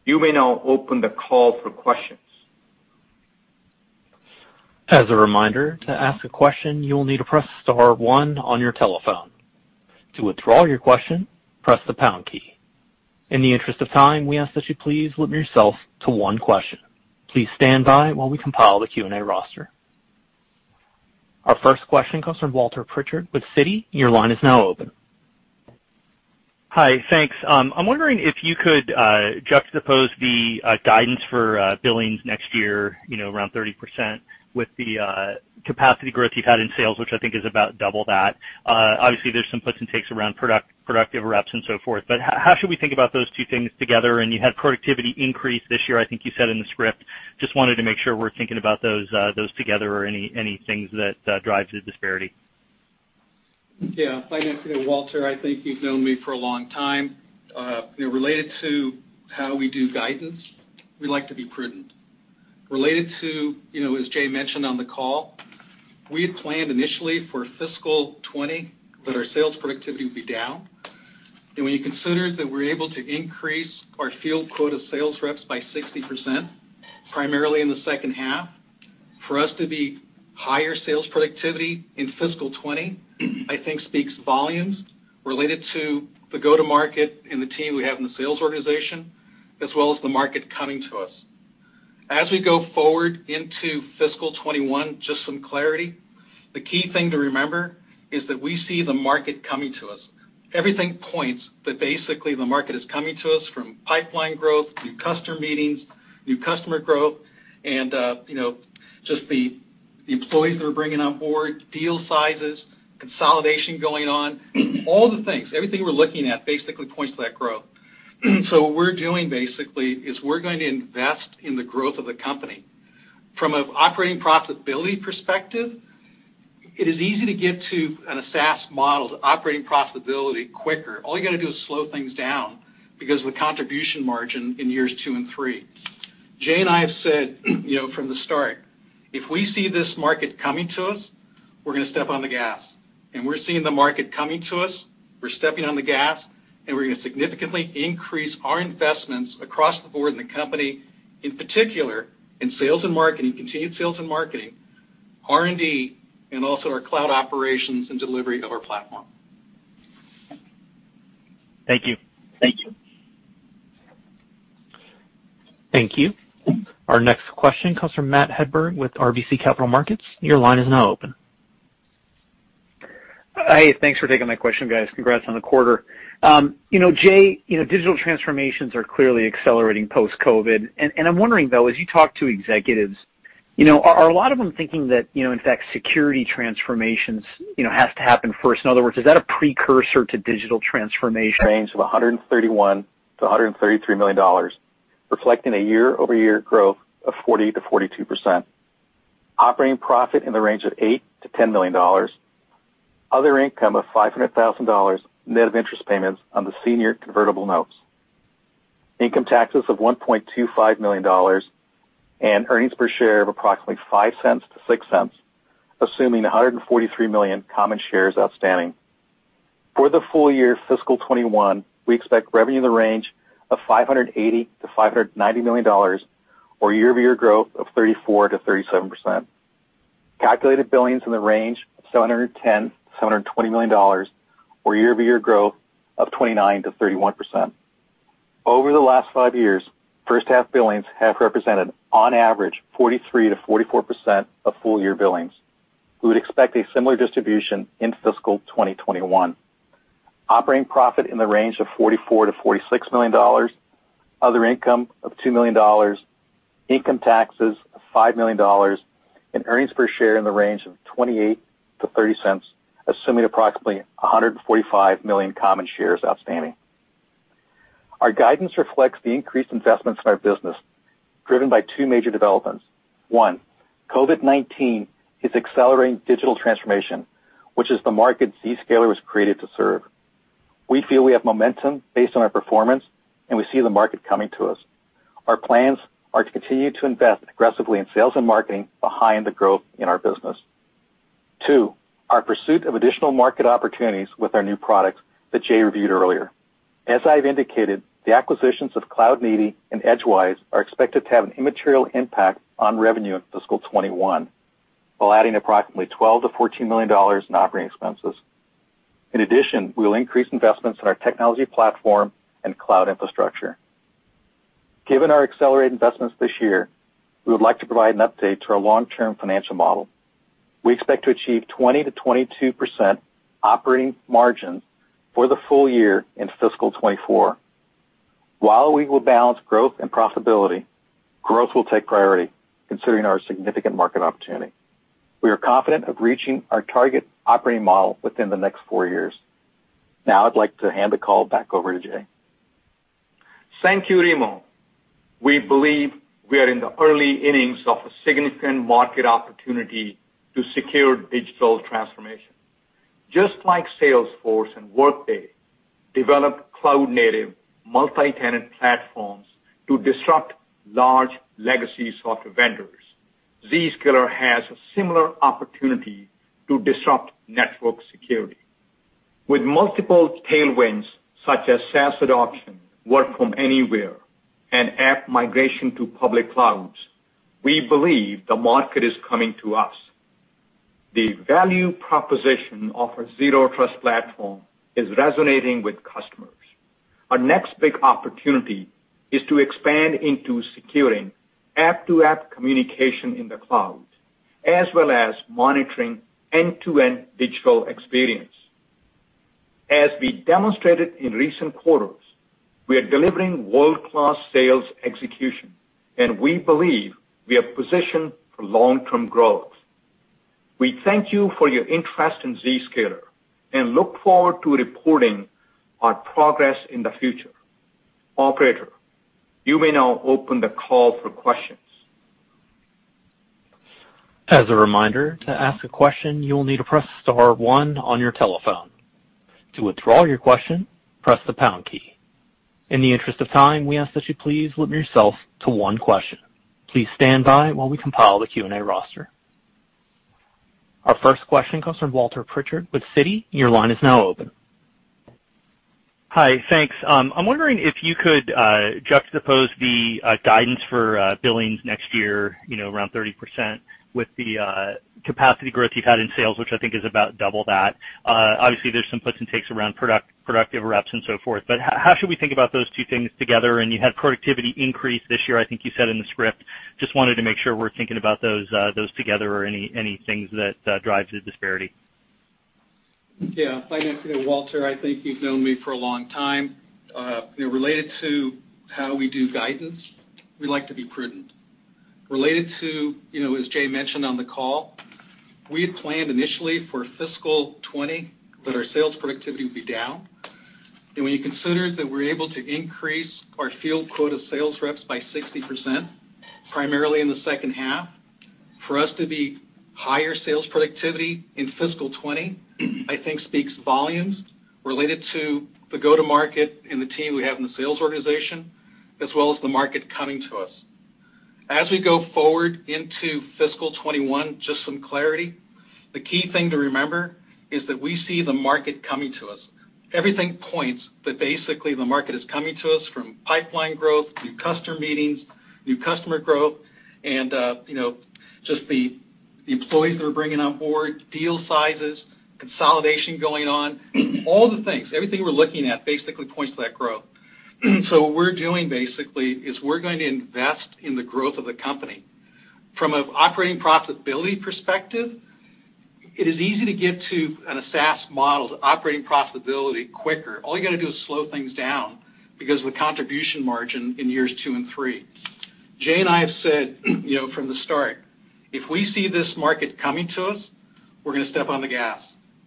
you may now open the call for questions. In the interest of time, we ask that you please limit yourself to one question. Please stand by while we compile the Q&A roster. Our first question comes from Walter Pritchard with Citi. Your line is now open. Hi, thanks. I'm wondering if you could juxtapose the guidance for billings next year, around 30%, with the capacity growth you've had in sales, which I think is about double that. Obviously, there's some puts and takes around productive reps and so forth. How should we think about those two things together? You had productivity increase this year, I think you said in the script. Just wanted to make sure we're thinking about those together or any things that drive the disparity. Yeah. Hi, Walter. I think you've known me for a long time. Related to how we do guidance, we like to be prudent. Related to, as Jay mentioned on the call. We had planned initially for fiscal 2020 that our sales productivity would be down. When you consider that we're able to increase our field quota sales reps by 60%, primarily in the second half, for us to be higher sales productivity in fiscal 2020, I think speaks volumes related to the go-to-market and the team we have in the sales organization, as well as the market coming to us. As we go forward into fiscal 2021, just some clarity. The key thing to remember is that we see the market coming to us. Everything points that basically the market is coming to us from pipeline growth to new customer meetings, new customer growth, and just the employees that we're bringing on board, deal sizes, consolidation going on, all the things. Everything we're looking at basically points to that growth. What we're doing basically is we're going to invest in the growth of the company. From an operating profitability perspective, it is easy to get to a SaaS model to operating profitability quicker. All you got to do is slow things down because of the contribution margin in years two and three. Jay and I have said from the start, "If we see this market coming to us, we're going to step on the gas." We're seeing the market coming to us, we're stepping on the gas, and we're going to significantly increase our investments across the board in the company, in particular, in sales and marketing, continued sales and marketing, R&D, and also our cloud operations and delivery of our platform. Thank you. Thank you. Thank you. Our next question comes from Matthew Hedberg with RBC Capital Markets. Your line is now open. Hey, thanks for taking my question, guys. Congrats on the quarter. Jay, digital transformations are clearly accelerating post-COVID. I'm wondering, though, as you talk to executives, are a lot of them thinking that in fact, security transformations has to happen first? In other words, is that a precursor to digital transformation? Range of $131 million to $133 million, reflecting a year-over-year growth of 40%-42%. Operating profit in the range of $8 million to $10 million. Other income of $500,000, net of interest payments on the senior convertible notes. Income taxes of $1.25 million and earnings per share of approximately $0.05-$0.06, assuming 143 million common shares outstanding. For the full-year fiscal 2021, we expect revenue in the range of $580 million to $590 million or year-over-year growth of 34%-37%. Calculated billings in the range of $710 million to $720 million, or year-over-year growth of 29%-31%. Over the last five years, first half billings have represented on average 43%-44% of full-year billings. We would expect a similar distribution in fiscal 2021. Operating profit in the range of $44 million to $46 million, other income of $2 million, income taxes of $5 million, and earnings per share in the range of $0.28-$0.30, assuming approximately 145 million common shares outstanding. Our guidance reflects the increased investments in our business, driven by two major developments. One, COVID-19 is accelerating digital transformation, which is the market Zscaler was created to serve. We feel we have momentum based on our performance, and we see the market coming to us. Our plans are to continue to invest aggressively in sales and marketing behind the growth in our business. Two, our pursuit of additional market opportunities with our new products that Jay reviewed earlier. As I've indicated, the acquisitions of Cloudneeti and Edgewise are expected to have an immaterial impact on revenue in fiscal 2021, while adding approximately $12 million to $14 million in operating expenses. In addition, we'll increase investments in our technology platform and cloud infrastructure. Given our accelerated investments this year, we would like to provide an update to our long-term financial model. We expect to achieve 20%-22% operating margin for the full-year in fiscal 2024. While we will balance growth and profitability, growth will take priority considering our significant market opportunity. We are confident of reaching our target operating model within the next four years. I'd like to hand the call back over to Jay. Thank you, Remo. We believe we are in the early innings of a significant market opportunity to secure digital transformation. Just like Salesforce and Workday developed cloud-native multi-tenant platforms to disrupt large legacy software vendors, Zscaler has a similar opportunity to disrupt network security. With multiple tailwinds such as SaaS adoption, work from anywhere, and app migration to public clouds, we believe the market is coming to us. The value proposition of our Zero Trust platform is resonating with customers. Our next big opportunity is to expand into securing app-to-app communication in the cloud, as well as monitoring end-to-end digital experience. As we demonstrated in recent quarters, we are delivering world-class sales execution, and we believe we are positioned for long-term growth. We thank you for your interest in Zscaler and look forward to reporting our progress in the future. Operator, you may now open the call for questions. As a reminder, to ask a question, you will need to press star one on your telephone. To withdraw your question, press the pound key. In the interest of time, we ask that you please limit yourself to one question. Please stand by while we compile the Q&A roster. Our first question comes from Walter Pritchard with Citi. Your line is now open. Hi, thanks. I'm wondering if you could juxtapose the guidance for billings next year, around 30%, with the capacity growth you've had in sales, which I think is about double that. Obviously, there's some puts and takes around productive reps and so forth. How should we think about those two things together? You had productivity increase this year, I think you said in the script. Just wanted to make sure we're thinking about those together or any things that drive the disparity. Yeah. Walter, I think you've known me for a long time. Related to how we do guidance, we like to be prudent. Related to, as Jay mentioned on the call, we had planned initially for fiscal 2020 that our sales productivity would be down. When you consider that we're able to increase our field quota sales reps by 60%, primarily in the second half, for us to be higher sales productivity in fiscal 2020, I think speaks volumes related to the go-to-market and the team we have in the sales organization, as well as the market coming to us. As we go forward into fiscal 2021, just some clarity. The key thing to remember is that we see the market coming to us. Everything points that basically the market is coming to us from pipeline growth, new customer meetings, new customer growth, and just the employees that we're bringing on board, deal sizes, consolidation going on, all the things. Everything we're looking at basically points to that growth. What we're doing basically is we're going to invest in the growth of the company. From an operating profitability perspective, it is easy to get to an SaaS model to operating profitability quicker. All you got to do is slow things down because the contribution margin in years two and three. Jay and I have said from the start, if we see this market coming to us, we're going to step on the gas.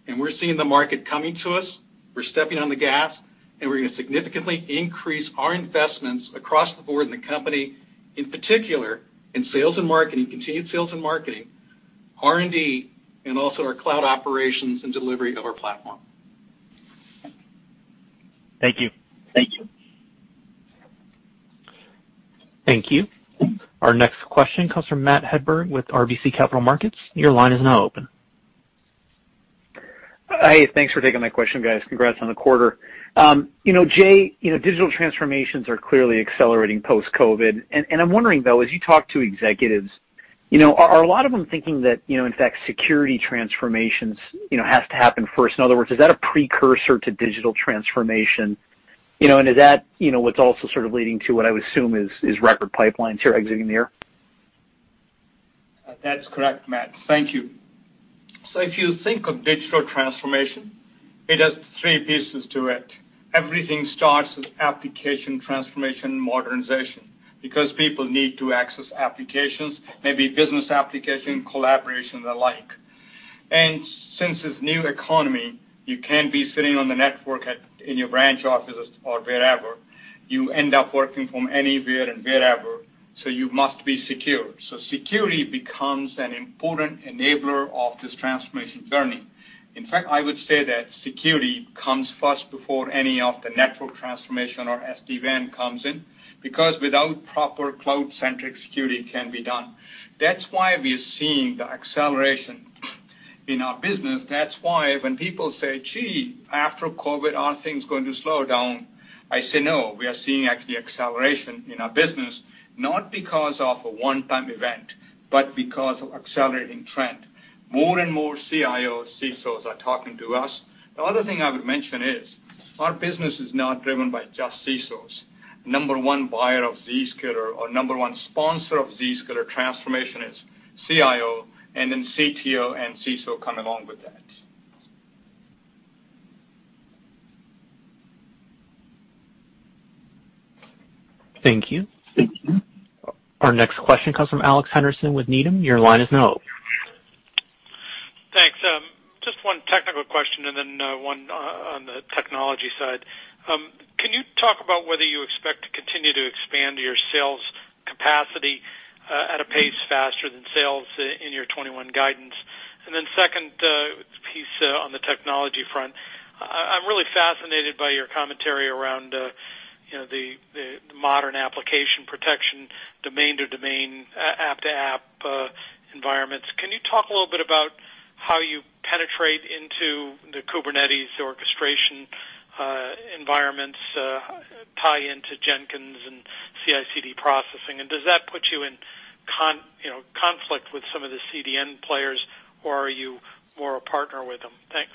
We're seeing the market coming to us, we're stepping on the gas, and we're going to significantly increase our investments across the board in the company, in particular in sales and marketing, continued sales and marketing, R&D, and also our cloud operations and delivery of our platform. Thank you. Thank you. Thank you. Our next question comes from Matthew Hedberg with RBC Capital Markets. Your line is now open. Hi, thanks for taking my question, guys. Congrats on the quarter. Jay, digital transformations are clearly accelerating post-COVID. I'm wondering, though, as you talk to executives, are a lot of them thinking that in fact, security transformations has to happen first? In other words, is that a precursor to digital transformation? Is that what's also sort of leading to what I would assume is record pipelines you're executing there? That's correct, Matt. Thank you. If you think of digital transformation, it has three pieces to it. Everything starts with application transformation modernization, because people need to access applications, maybe business application, collaboration, and the like. Since it's new economy, you can't be sitting on the network in your branch offices or wherever. You end up working from anywhere and wherever, you must be secure. Security becomes an important enabler of this transformation journey. In fact, I would say that security comes first before any of the network transformation or SD-WAN comes in, because without proper cloud-centric security can be done. That's why we are seeing the acceleration in our business. That's why when people say, "Gee, after COVID, are things going to slow down?" I say, no, we are seeing actually acceleration in our business, not because of a one-time event, but because of accelerating trend. More and more CIOs, CSOs are talking to us. The other thing I would mention is our business is not driven by just CSOs. Number one buyer of Zscaler or number one sponsor of Zscaler transformation is CIO, and then CTO and CSO come along with that. Thank you. Thank you. Our next question comes from Alex Henderson with Needham. Your line is now open. Thanks. Just one technical question and then one on the technology side. Can you talk about whether you expect to continue to expand your sales capacity at a pace faster than sales in your 2021 guidance? Second piece on the technology front. I'm really fascinated by your commentary around the modern application protection domain-to-domain, app-to-app environments. Can you talk a little bit about how you penetrate into the Kubernetes orchestration environments, tie into Jenkins and CI/CD processing, and does that put you in conflict with some of the CDN players, or are you more a partner with them? Thanks.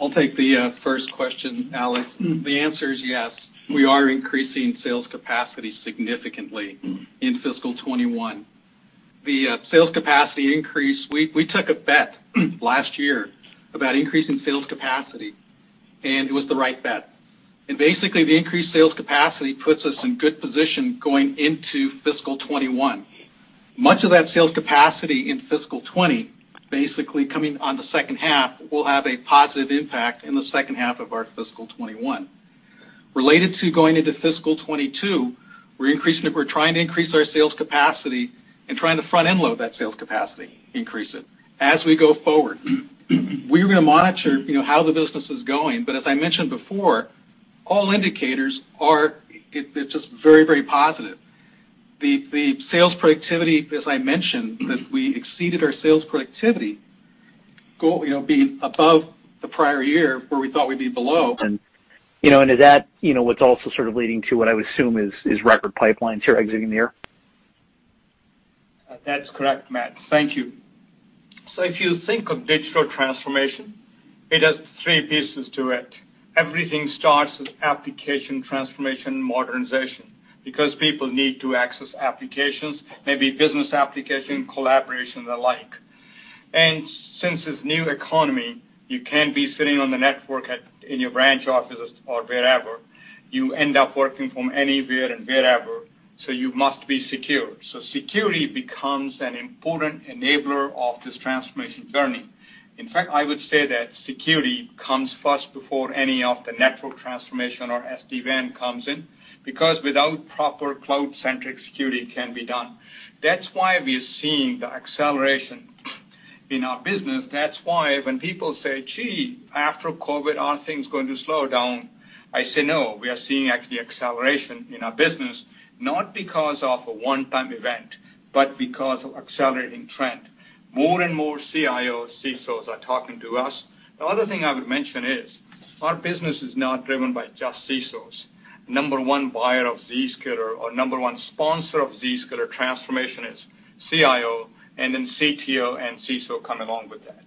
I'll take the first question, Alex. The answer is yes, we are increasing sales capacity significantly in fiscal 2021. The sales capacity increase, we took a bet last year about increasing sales capacity, and it was the right bet. Basically, the increased sales capacity puts us in good position going into fiscal 2021. Much of that sales capacity in fiscal 2020, basically coming on the second half, will have a positive impact in the second half of our fiscal 2021. Related to going into fiscal 2022, we're trying to increase our sales capacity and trying to front-end load that sales capacity, increase it. As we go forward, we're going to monitor how the business is going, but as I mentioned before, all indicators are just very positive. The sales productivity, as I mentioned, that we exceeded our sales productivity, being above the prior year where we thought we'd be below. Is that what's also sort of leading to what I would assume is record pipelines here exiting the year? That's correct, Matt. Thank you. If you think of digital transformation, it has three pieces to it. Everything starts with application transformation modernization, because people need to access applications, maybe business application, collaboration, and the like. Since it's new economy, you can't be sitting on the network in your branch offices or wherever. You end up working from anywhere and wherever, so you must be secure. Security becomes an important enabler of this transformation journey. In fact, I would say that security comes first before any of the network transformation or SD-WAN comes in, because without proper cloud-centric security, it can't be done. That's why we are seeing the acceleration in our business. That's why when people say, "Gee, after COVID, are things going to slow down?" I say, "No, we are seeing actually acceleration in our business, not because of a one-time event, but because of accelerating trend." More and more CIOs, CSOs are talking to us. The other thing I would mention is, our business is not driven by just CSOs. Number one buyer of Zscaler or number one sponsor of Zscaler transformation is CIO, then CTO and CSO come along with that.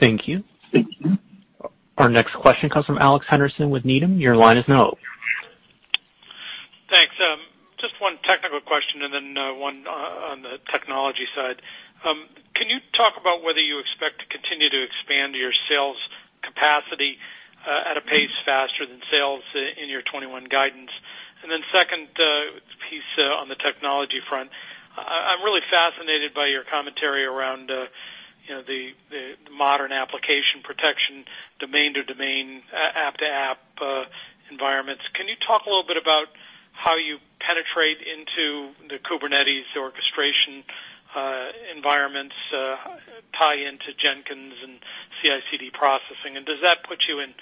Thank you. Our next question comes from Alex Henderson with Needham. Your line is now open. Thanks. Just one technical question and then one on the technology side. Can you talk about whether you expect to continue to expand your sales capacity at a pace faster than sales in your 2021 guidance? Second piece on the technology front, I'm really fascinated by your commentary around the modern application protection domain to domain, app to app environments. Can you talk a little bit about how you penetrate into the Kubernetes orchestration environments, tie into Jenkins and CI/CD processing? Does that put you in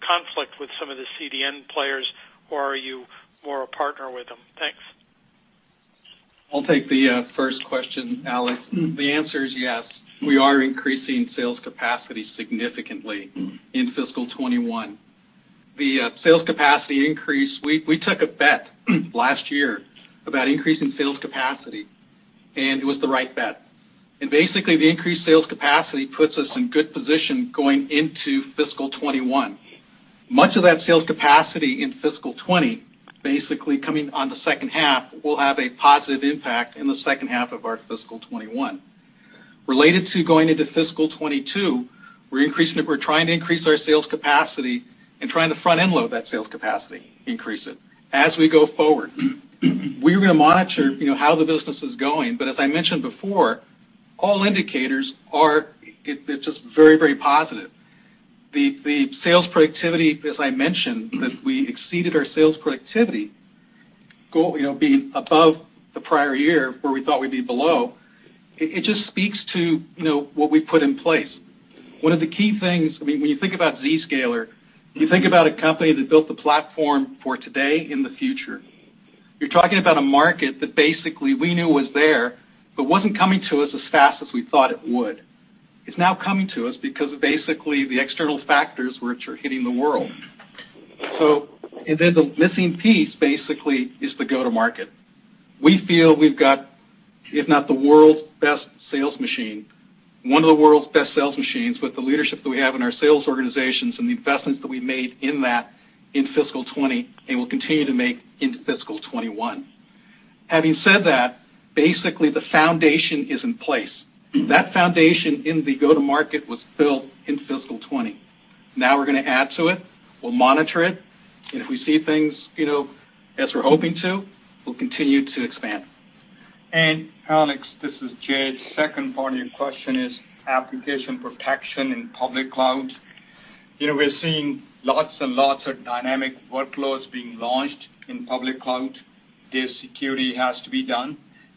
conflict with some of the CDN players, or are you more a partner with them? Thanks. I'll take the first question, Alex. The answer is yes. We are increasing sales capacity significantly in fiscal 2021. The sales capacity increase, we took a bet last year about increasing sales capacity, and it was the right bet. Basically, the increased sales capacity puts us in good position going into fiscal 2021. Much of that sales capacity in fiscal 2020, basically coming on the second half, will have a positive impact in the second half of our fiscal 2021. Related to going into fiscal 2022, we're trying to increase our sales capacity and trying to front-end load that sales capacity, increase it. As we go forward, we're going to monitor how the business is going, but as I mentioned before, all indicators are just very positive. The sales productivity, as I mentioned, that we exceeded our sales productivity, being above the prior year where we thought we'd be below, it just speaks to what we've put in place. One of the key things, when you think about Zscaler, you think about a company that built the platform for today and the future. You're talking about a market that basically we knew was there but wasn't coming to us as fast as we thought it would. It's now coming to us because of basically the external factors which are hitting the world. The missing piece, basically, is the go to market. We feel we've got, if not the world's best sales machine, one of the world's best sales machines with the leadership that we have in our sales organizations and the investments that we made in that in fiscal 2020, and we'll continue to make into fiscal 2021. Having said that, basically, the foundation is in place.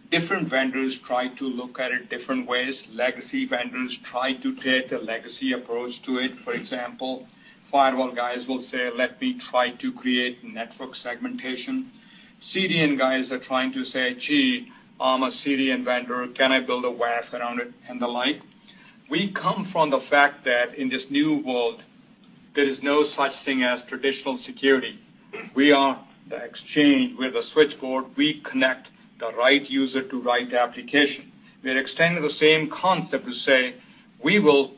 Different vendors try to look at it different ways. Legacy vendors try to take a legacy approach to it. For example, firewall guys will say, "Let me try to create network segmentation." CDN guys are trying to say, "Gee, I'm a CDN vendor. Can I build a WAF around it?" and the like. We come from the fact that in this new world, there is no such thing as traditional security. We are the exchange. We're the switchboard. We connect the right user to right application. We had extended the same concept to say we will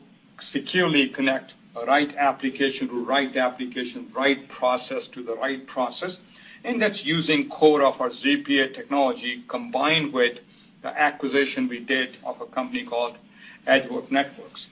securely connect a right application to right application, right process to the right process, and that's using core of our ZPA technology combined with the acquisition we did of a company called Edgewise Networks.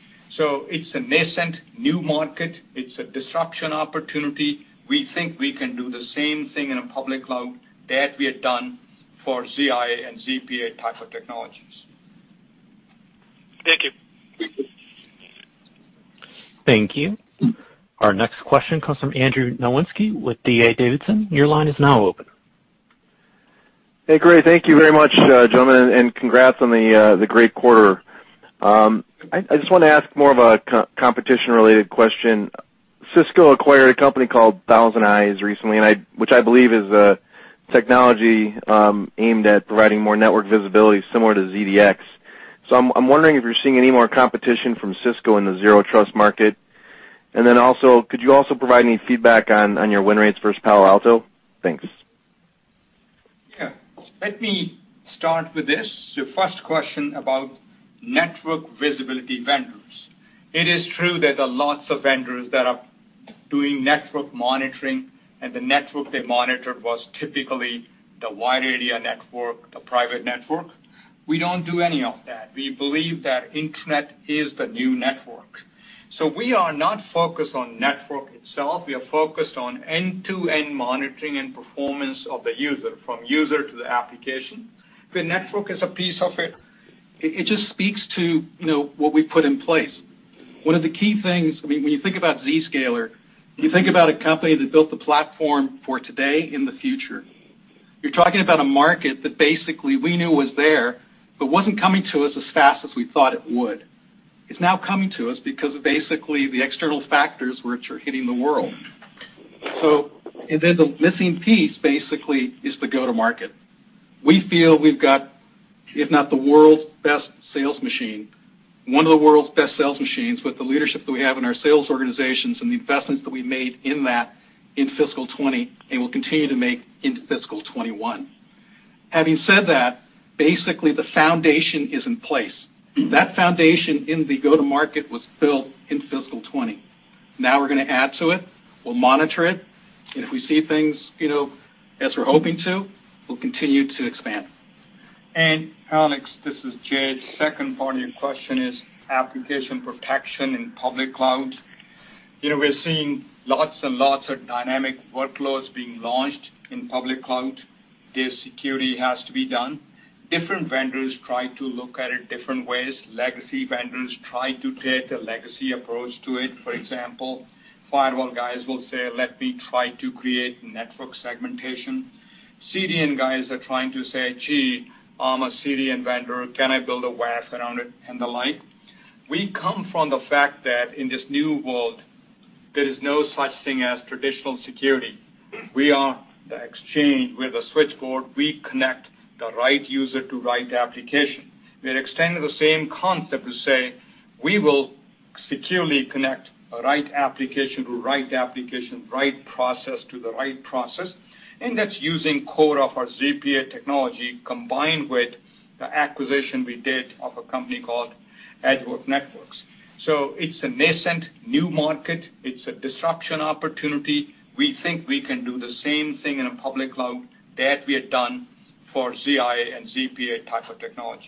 It's a nascent new market. It's a disruption opportunity. We think we can do the same thing in a public cloud that we have done for ZIA and ZPA type of technologies.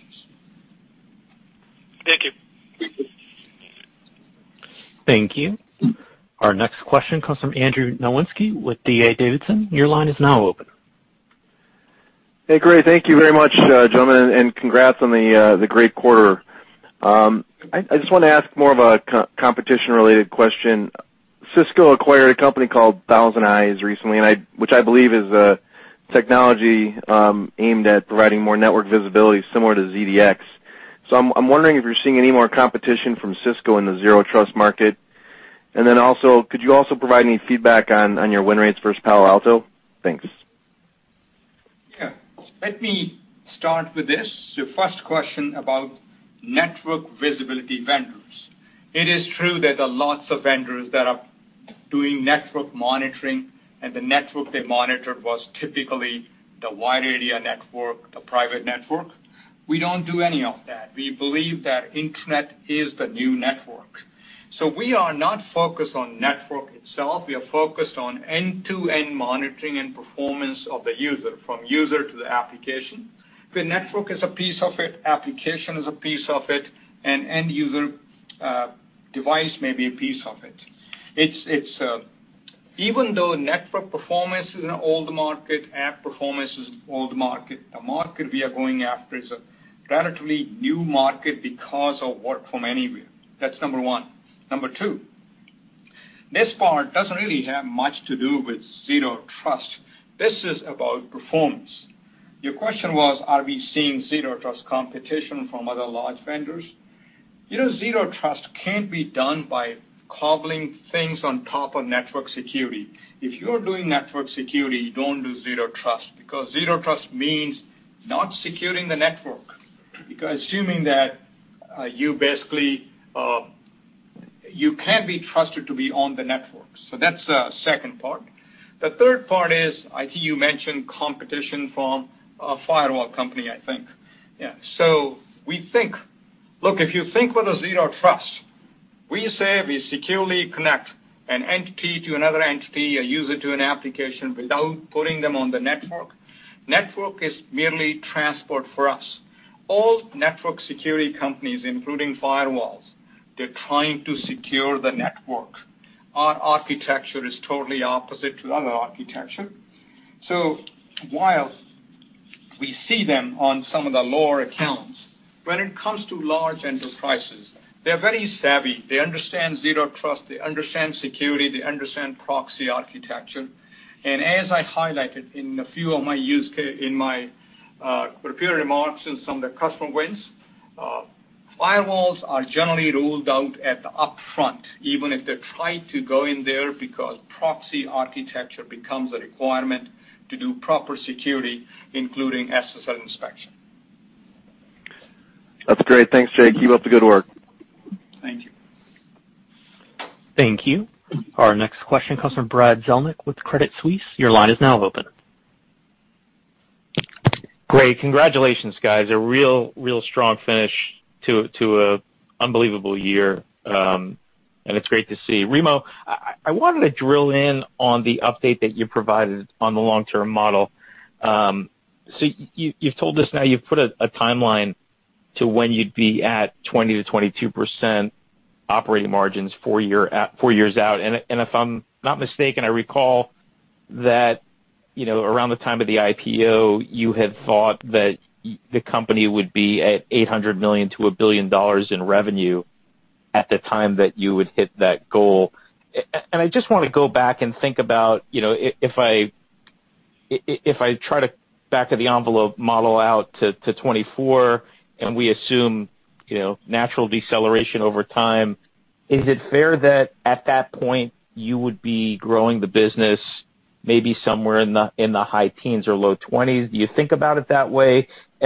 Thank you. Thank you. Our next question comes from Andrew Nowinski with D.A. Davidson. Your line is now open. Hey, great. Thank you very much, gentlemen, and congrats on the great quarter. I just want to ask more of a competition-related question. Cisco acquired a company called ThousandEyes recently, which I believe is a technology aimed at providing more network visibility similar to ZDX. I'm wondering if you're seeing any more competition from Cisco in the zero trust market. Could you also provide any feedback on your win rates versus Palo Alto? Thanks. Yeah. Let me start with this, your first question about network visibility vendors. It is true there are lots of vendors that are doing network monitoring, and the network they monitor was typically the wide area network, the private network. We don't do any of that. We believe that Internet is the new network. We are not focused on network itself. We are focused on end-to-end monitoring and performance of the user, from user to the application. The network is a piece of it, application is a piece of it, and end user device may be a piece of it. Even though network performance is an old market, app performance is an old market, the market we are going after is a radically new market because of work from anywhere. That's number one. Number two, this part doesn't really have much to do with zero trust. This is about performance. Your question was, are we seeing zero trust competition from other large vendors? Zero trust can't be done by cobbling things on top of network security. If you're doing network security, you don't do zero trust because zero trust means not securing the network. Assuming that you basically, you can't be trusted to be on the network. That's the second part. The third part is, I see you mentioned competition from a firewall company, I think. Yeah. We think, look, if you think with a zero trust, we say we securely connect an entity to another entity, a user to an application, without putting them on the network. Network is merely transport for us. All network security companies, including firewalls, they're trying to secure the network. Our architecture is totally opposite to other architecture. While we see them on some of the lower accounts, when it comes to large enterprises, they're very savvy. They understand zero trust, they understand security, they understand proxy architecture. As I highlighted in my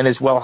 prepared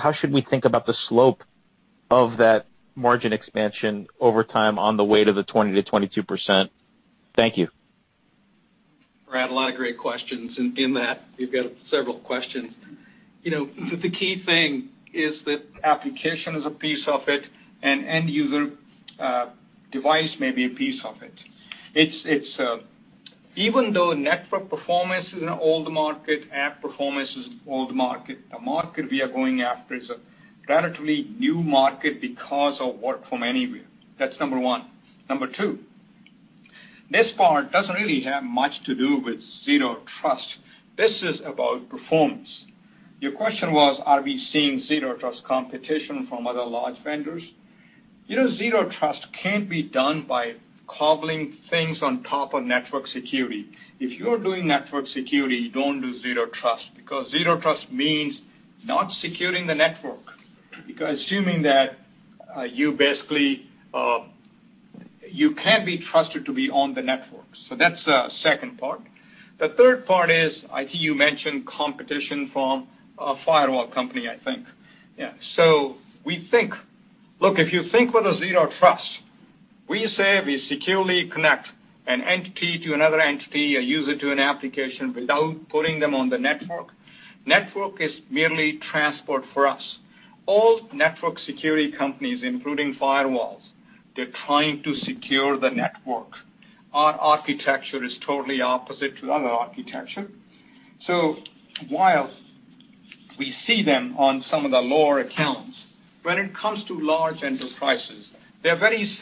remarks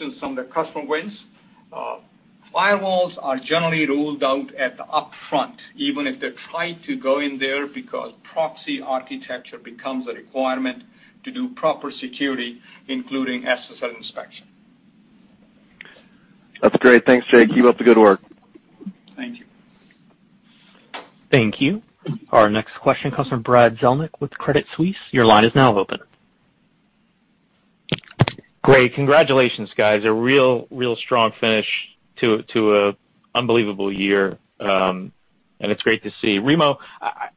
and some of the customer wins, firewalls are generally ruled out at the upfront, even if they try to go in there, because proxy architecture becomes a requirement to do proper security, including SSL inspection. That's great. Thanks, Jay. Keep up the good work. Thank you. Thank you. Our next question comes from Brad Zelnick with Credit Suisse. Your line is now open. Great. Congratulations, guys. A real strong finish to an unbelievable year, it's great to see. Remo,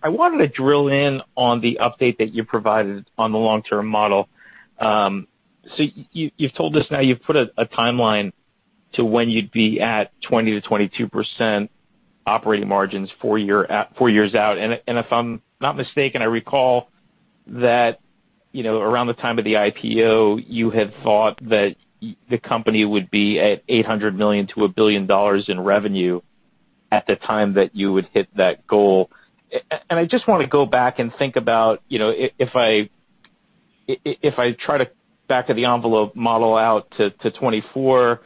I wanted to drill in on the update that you provided on the long-term model. You've told us now you've put a timeline to when you'd be at 20%-22% operating margins four years out. If I'm not mistaken, I recall that around the time of the IPO, you had thought that the company would be at $800 million to $1 billion in revenue at the time that you would hit that goal. I just want to go back and think about, if I try to back of the envelope model out to 2024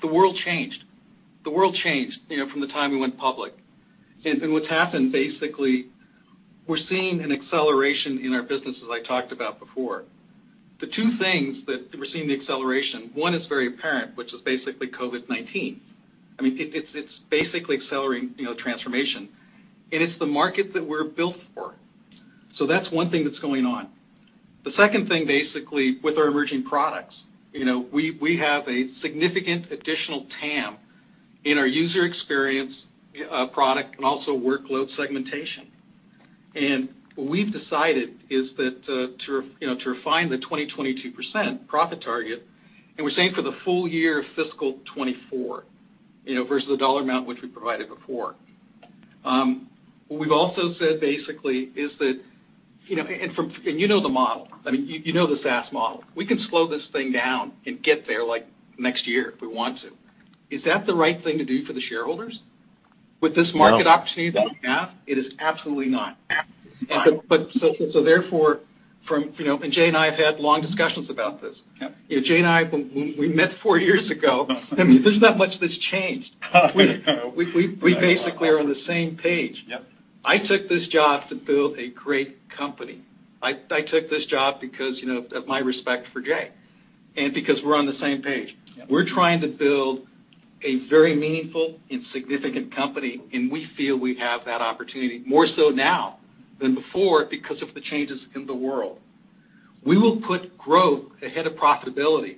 the world changed. The world changed from the time we went public. What's happened, basically, we're seeing an acceleration in our business, as I talked about before. The two things that we're seeing the acceleration, one is very apparent, which is basically COVID-19. It's basically accelerating transformation, and it's the market that we're built for. That's one thing that's going on. The second thing, basically, with our emerging products. We have a significant additional TAM in our user experience product and also workload segmentation. What we've decided is that to refine the 20%-22% profit target, and we're saying for the full-year of fiscal 2024, versus the dollar amount which we provided before. What we've also said, basically, is that you know the model. You know the SaaS model. We can slow this thing down and get there, like, next year if we want to. Is that the right thing to do for the shareholders? With this market opportunity that we have, it is absolutely not. Absolutely not. Jay and I have had long discussions about this. Jay and I, when we met four years ago, there's not much that's changed. We basically are on the same page. Yep. I took this job to build a great company. I took this job because of my respect for Jay, and because we're on the same page. We're trying to build a very meaningful and significant company, and we feel we have that opportunity more so now than before because of the changes in the world. We will put growth ahead of profitability,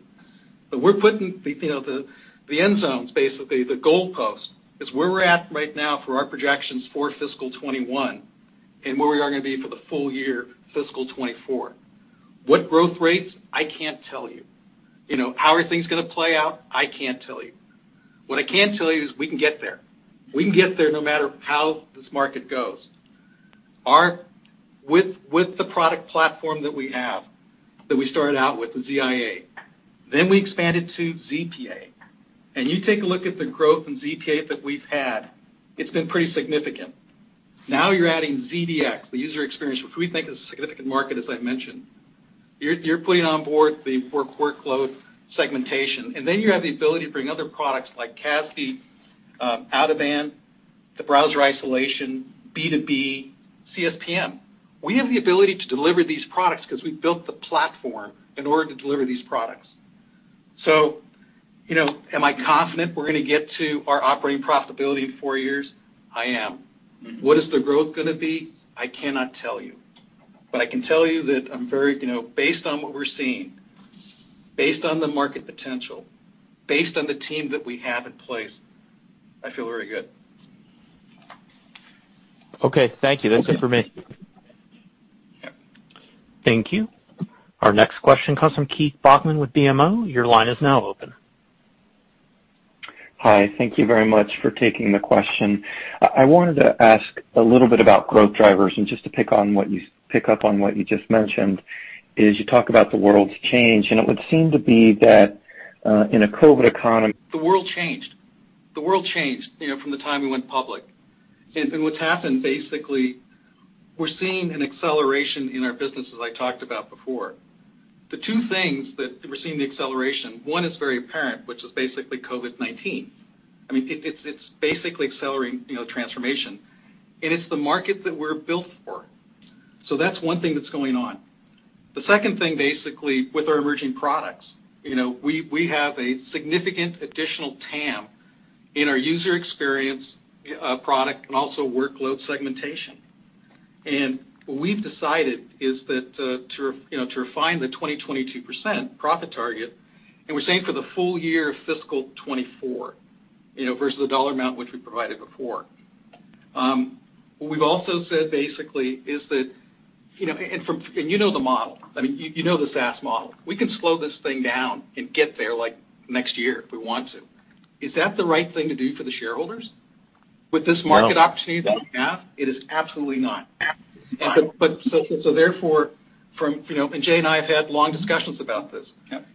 but we're putting the end zones, basically, the goalpost, is where we're at right now for our projections for fiscal 2021 and where we are going to be for the full-year, fiscal 2024. What growth rates? I can't tell you. How are things going to play out? I can't tell you. What I can tell you is we can get there. We can get there no matter how this market goes. With the product platform that we have, that we started out with, the ZIA, then we expanded to ZPA. You take a look at the growth in ZPA that we've had, it's been pretty significant. You're adding ZDX, the user experience, which we think is a significant market, as I mentioned. You're putting on board the for workload segmentation, you have the ability to bring other products like CASB, Out-of-Band, the browser isolation, B2B, CSPM. We have the ability to deliver these products because we've built the platform in order to deliver these products. Am I confident we're going to get to our operating profitability in four years? I am. What is the growth going to be? I cannot tell you. I can tell you that based on what we're seeing, based on the market potential, based on the team that we have in place, I feel very good. Okay, thank you. That's it for me. Yep. Thank you. Our next question comes from Keith Bachman with BMO. Your line is now open. Hi. Thank you very much for taking the question. I wanted to ask a little bit about growth drivers and just to pick up on what you just mentioned, is you talk about the world's change, and it would seem to be that, in a COVID economy. The world changed. The world changed from the time we went public. What's happened, basically, we're seeing an acceleration in our business, as I talked about before. The two things that we're seeing the acceleration, one is very apparent, which is basically COVID-19. It's basically accelerating transformation, and it's the market that we're built for. That's one thing that's going on. The second thing, basically, with our emerging products. We have a significant additional TAM in our user experience product and also workload segmentation. What we've decided is that to refine the 20%-22% profit target, and we're saying for the full-year of fiscal 2024, versus the $ amount which we provided before. What we've also said, basically, is that you know the model. You know the SaaS model. We can slow this thing down and get there, like, next year if we want to. Is that the right thing to do for the shareholders? With this market opportunity that we have, it is absolutely not. Absolutely not. Jay and I have had long discussions about this.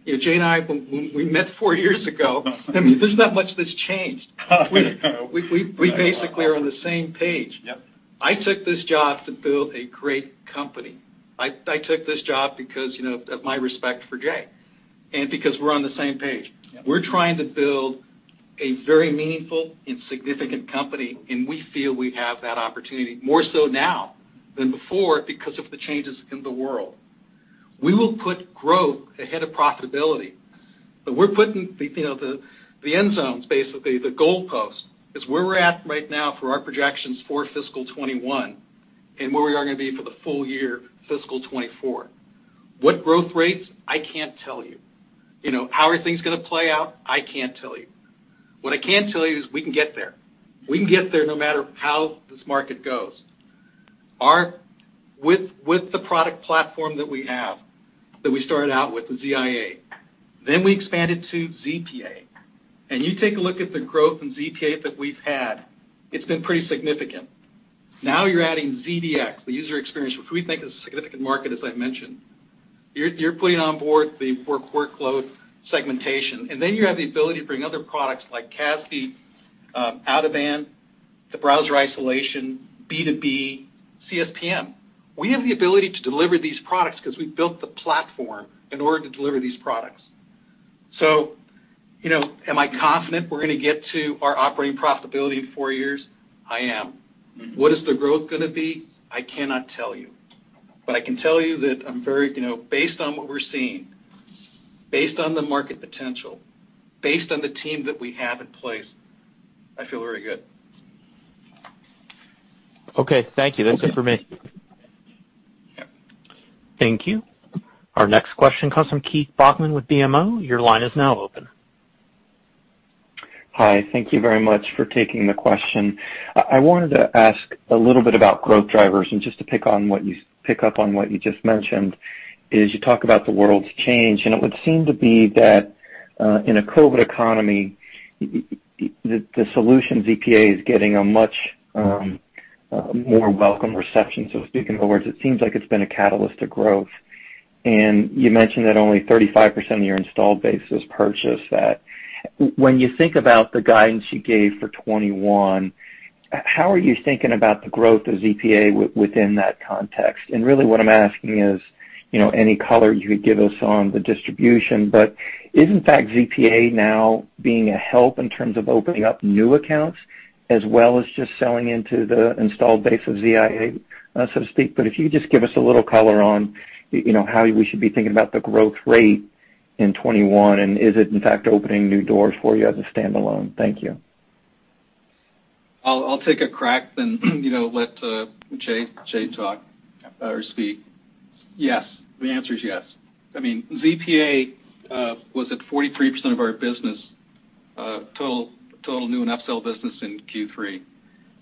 Jay and I, when we met four years ago, there's not much that's changed. We basically are on the same page. I took this job to build a great company. I took this job because of my respect for Jay, and because we're on the same page. We're trying to build a very meaningful and significant company, and we feel we have that opportunity more so now than before because of the changes in the world. We will put growth ahead of profitability, but we're putting the end zones, basically, the goalpost, is where we're at right now for our projections for fiscal 2021 and where we are going to be for the full-year, fiscal 2024. What growth rates? I can't tell you. How are things going to play out? I can't tell you. What I can tell you is we can get there. We can get there no matter how this market goes. With the product platform that we have, that we started out with, the ZIA, then we expanded to ZPA. You take a look at the growth in ZPA that we've had, it's been pretty significant. You're adding ZDX, the user experience, which we think is a significant market, as I mentioned. You're putting on board the four workload segmentation, you have the ability to bring other products like CASB, Out-of-Band, the Browser Isolation, B2B, CSPM. We have the ability to deliver these products because we've built the platform in order to deliver these products. Am I confident we're going to get to our operating profitability in four years? I am. What is the growth going to be? I cannot tell you. I can tell you that based on what we're seeing, based on the market potential, based on the team that we have in place, I feel very good. Okay. Thank you. That's it for me. Yeah. Thank you. Our next question comes from Keith Bachman with BMO. Your line is now open. Hi. Thank you very much for taking the question. I wanted to ask a little bit about growth drivers and just to pick up on what you just mentioned, is you talk about the world's change. It would seem to be that, in a COVID-19 economy, the solutions ZPA is getting a much more welcome reception, so to speak. In other words, it seems like it's been a catalyst to growth. You mentioned that only 35% of your installed base has purchased that. When you think about the guidance you gave for 2021, how are you thinking about the growth of ZPA within that context? Really what I'm asking is, any color you could give us on the distribution. Is, in fact, ZPA now being a help in terms of opening up new accounts as well as just selling into the installed base of ZIA, so to speak? If you could just give us a little color on how we should be thinking about the growth rate in 2021, and is it, in fact, opening new doors for you as a standalone? Thank you. I'll take a crack, then let Jay talk or speak. Yes. The answer is yes. ZPA was at 43% of our business, total new and upsell business in Q3.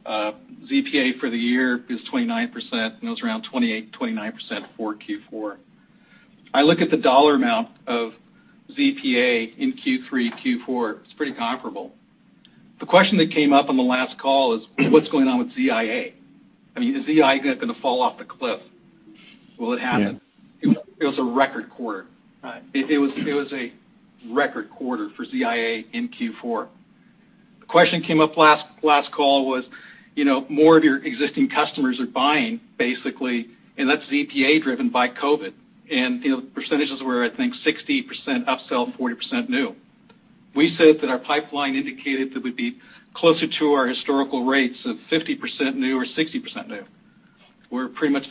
ZPA for the year is 29%, and it was around 28%, 29% for Q4. I look at the dollar amount of ZPA in Q3, Q4, it's pretty comparable. The question that came up on the last call is what's going on with ZIA? Is ZIA going to fall off the cliff? Will it happen? It was a record quarter. Right. It was a record quarter for ZIA in Q4. The question came up last call was, more of your existing customers are buying, basically, and that's ZPA-driven by COVID, and the percentages were, I think, 60% upsell, 40% new. We said that our pipeline indicated that we'd be closer to our historical rates of 50% new or 60% new. We're pretty much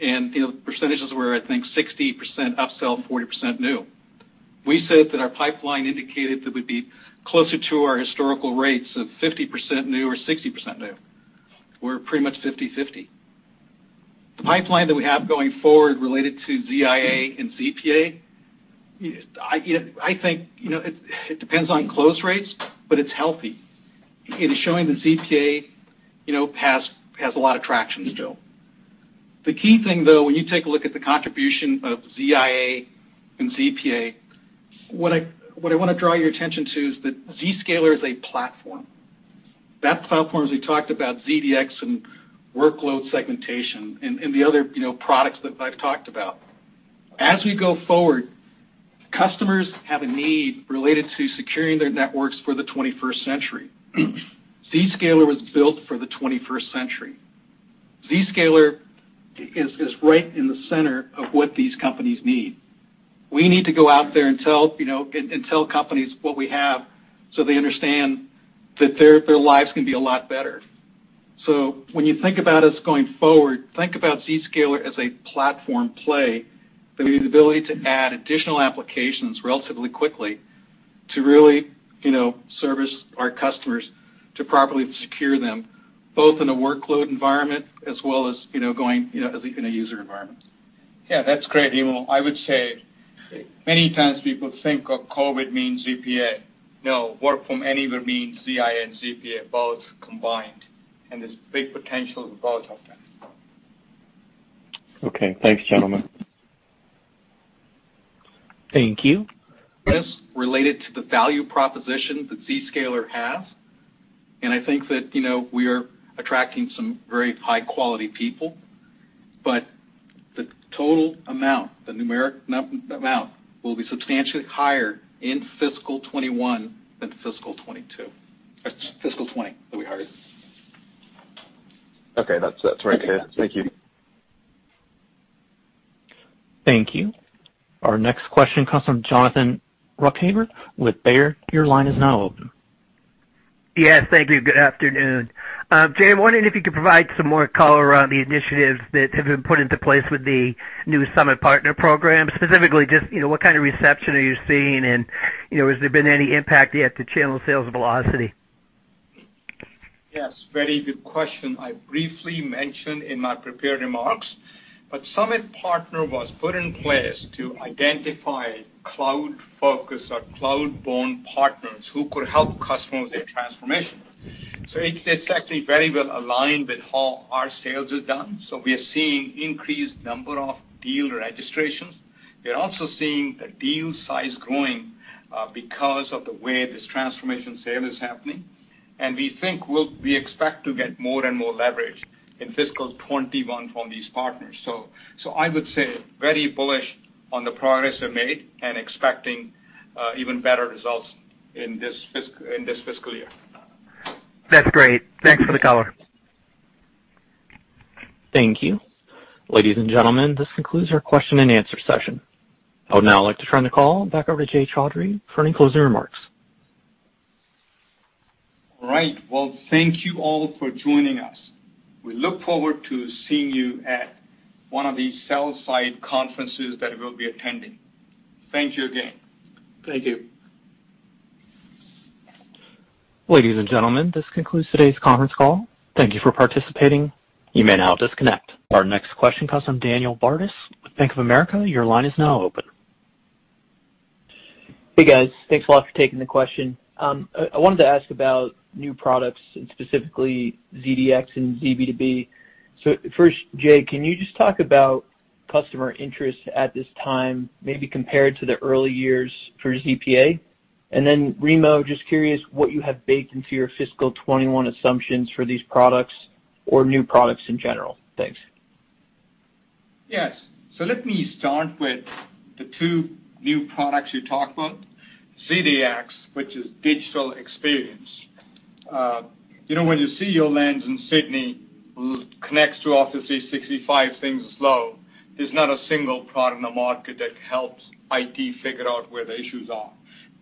The pipeline that we have going forward related to ZIA and ZPA, I think it depends on close rates, but it's healthy. It is showing that ZPA has a lot of traction still. The key thing, though, when you take a look at the contribution of ZIA and ZPA, what I want to draw your attention to is that Zscaler is a platform. That platform, as we talked about, ZDX and workload segmentation and the other products that I've talked about. As we go forward, customers have a need related to securing their networks for the 21st century. Zscaler was built for the 21st century. Zscaler is right in the center of what these companies need. We need to go out there and tell companies what we have so they understand that their lives can be a lot better. When you think about us going forward, think about Zscaler as a platform play with the ability to add additional applications relatively quickly to really service our customers, to properly secure them, both in a workload environment as well as in a user environment. Yeah, that's great, Remo. I would say many times people think of COVID means ZPA. No. Work from anywhere means ZIA and ZPA both combined, and there's big potential in both of them. Okay. Thanks, gentlemen. Thank you. Our next question comes from Daniel Bartus with Bank of America. Your line is now open. Hey, guys. Thanks a lot for taking the question. I wanted to ask about new products, specifically ZDX and ZB2B. First, Jay, can you just talk about customer interest at this time, maybe compared to the early years for ZPA? Then Remo, just curious what you have baked into your fiscal 2021 assumptions for these products or new products in general. Thanks. Yes. Let me start with the two new products you talked about. ZDX, which is digital experience. When the CEO lands in Sydney, connects to Office 365, things slow. There's not a single product in the market that helps IT figure out where the issues are.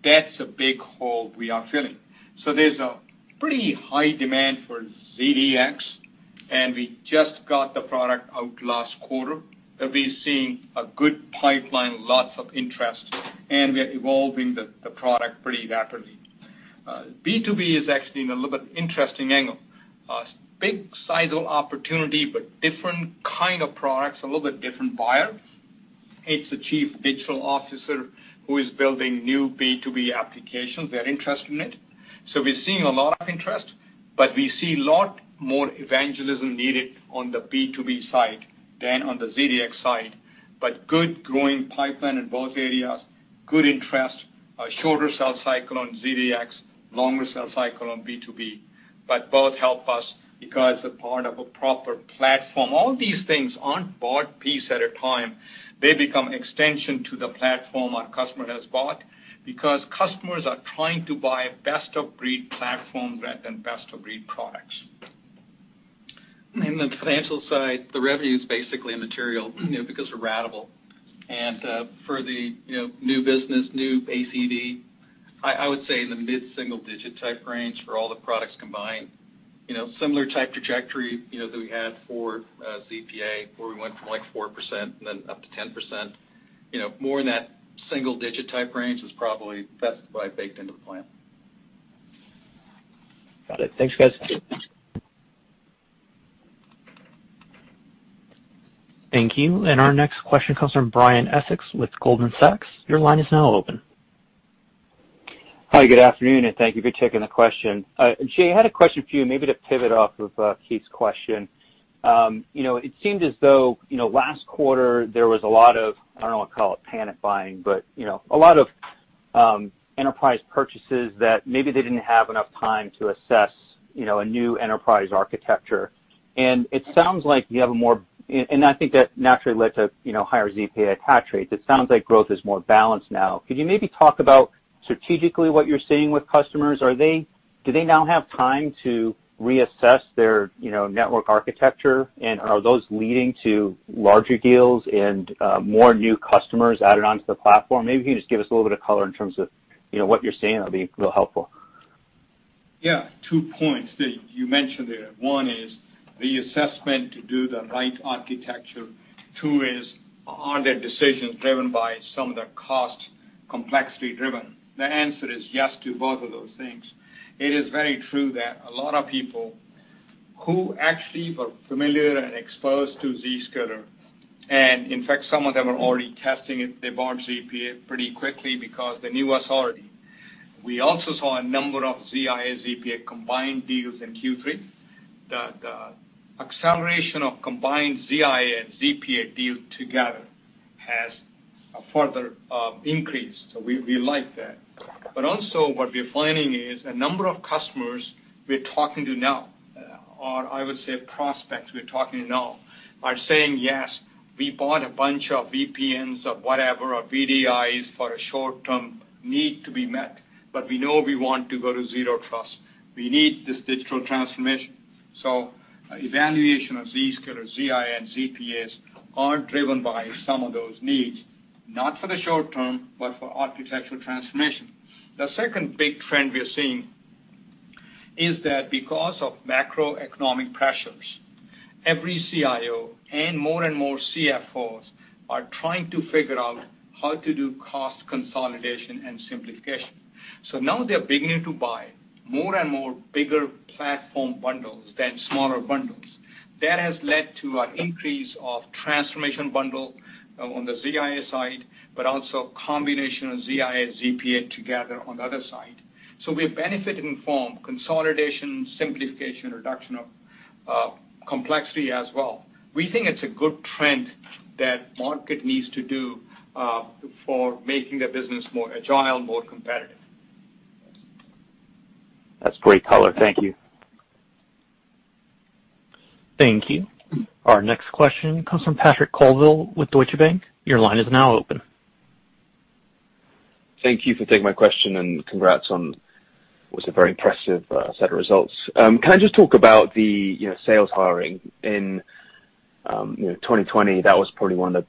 That's a big hole we are filling. There's a pretty high demand for ZDX, and we just got the product out last quarter, and we're seeing a good pipeline, lots of interest, and we are evolving the product pretty rapidly. B2B is actually in a little bit interesting angle. A big-sized opportunity, but different kind of products, a little bit different buyer. It's the chief digital officer who is building new B2B applications. They're interested in it. We're seeing a lot of interest, but we see a lot more evangelism needed on the B2B side than on the ZDX side. Good growing pipeline in both areas. Good interest. A shorter sales cycle on ZDX, longer sales cycle on B2B. Both help us because they're part of a proper platform. All these things aren't bought piece at a time. They become extension to the platform our customer has bought. Because customers are trying to buy best-of-breed platforms rather than best-of-breed products. In the financial side, the revenue is basically immaterial because we're ratable. For the new business, new ACV, I would say in the mid-single digit type range for all the products combined. Similar type trajectory that we had for ZPA, where we went from 4% and then up to 10%. More in that single digit type range is probably best baked into the plan. Got it. Thanks, guys. Thank you. Our next question comes from Brian Essex with Goldman Sachs. Your line is now open. Hi, good afternoon, and thank you for taking the question. Jay, I had a question for you, maybe to pivot off of Keith's question. It seemed as though last quarter there was a lot of, I don't want to call it panic buying, but a lot of enterprise purchases that maybe they didn't have enough time to assess a new enterprise architecture. I think that naturally led to higher ZPA attach rates. It sounds like growth is more balanced now. Could you maybe talk about strategically what you're seeing with customers? Do they now have time to reassess their network architecture, and are those leading to larger deals and more new customers added onto the platform? Maybe if you can just give us a little bit of color in terms of what you're seeing, that'd be real helpful. Yeah. Two points that you mentioned there. One is the assessment to do the right architecture. Two is, are their decisions driven by some of the cost complexity driven? The answer is yes to both of those things. It is very true that a lot of people who actually were familiar and exposed to Zscaler, in fact, some of them are already testing it. They bought ZPA pretty quickly because they knew us already. We also saw a number of ZIA ZPA combined deals in Q3. The acceleration of combined ZIA and ZPA deals together has a further increase. We like that. Also what we're finding is a number of customers we're talking to now are, I would say, prospects we're talking to now, are saying, "Yes, we bought a bunch of VPNs or whatever, or VDIs for a short-term need to be met. We know we want to go to Zero Trust. We need this digital transformation. Evaluation of Zscaler, ZIA, and ZPAs are driven by some of those needs, not for the short term, but for architectural transformation. The second big trend we are seeing is that because of macroeconomic pressures, every CIO and more and more CFOs are trying to figure out how to do cost consolidation and simplification. Now they're beginning to buy more and more bigger platform bundles than smaller bundles. That has led to an increase of transformation bundle on the ZIA side, but also a combination of ZIA ZPA together on the other side. We're benefiting from consolidation, simplification, reduction of complexity as well. We think it's a good trend that market needs to do for making the business more agile, more competitive. That's great color. Thank you. Thank you. Our next question comes from Patrick Colville with Deutsche Bank. Thank you for taking my question. Congrats on what's a very impressive set of results. Can I just talk about the sales hiring in 2020? That was probably one of the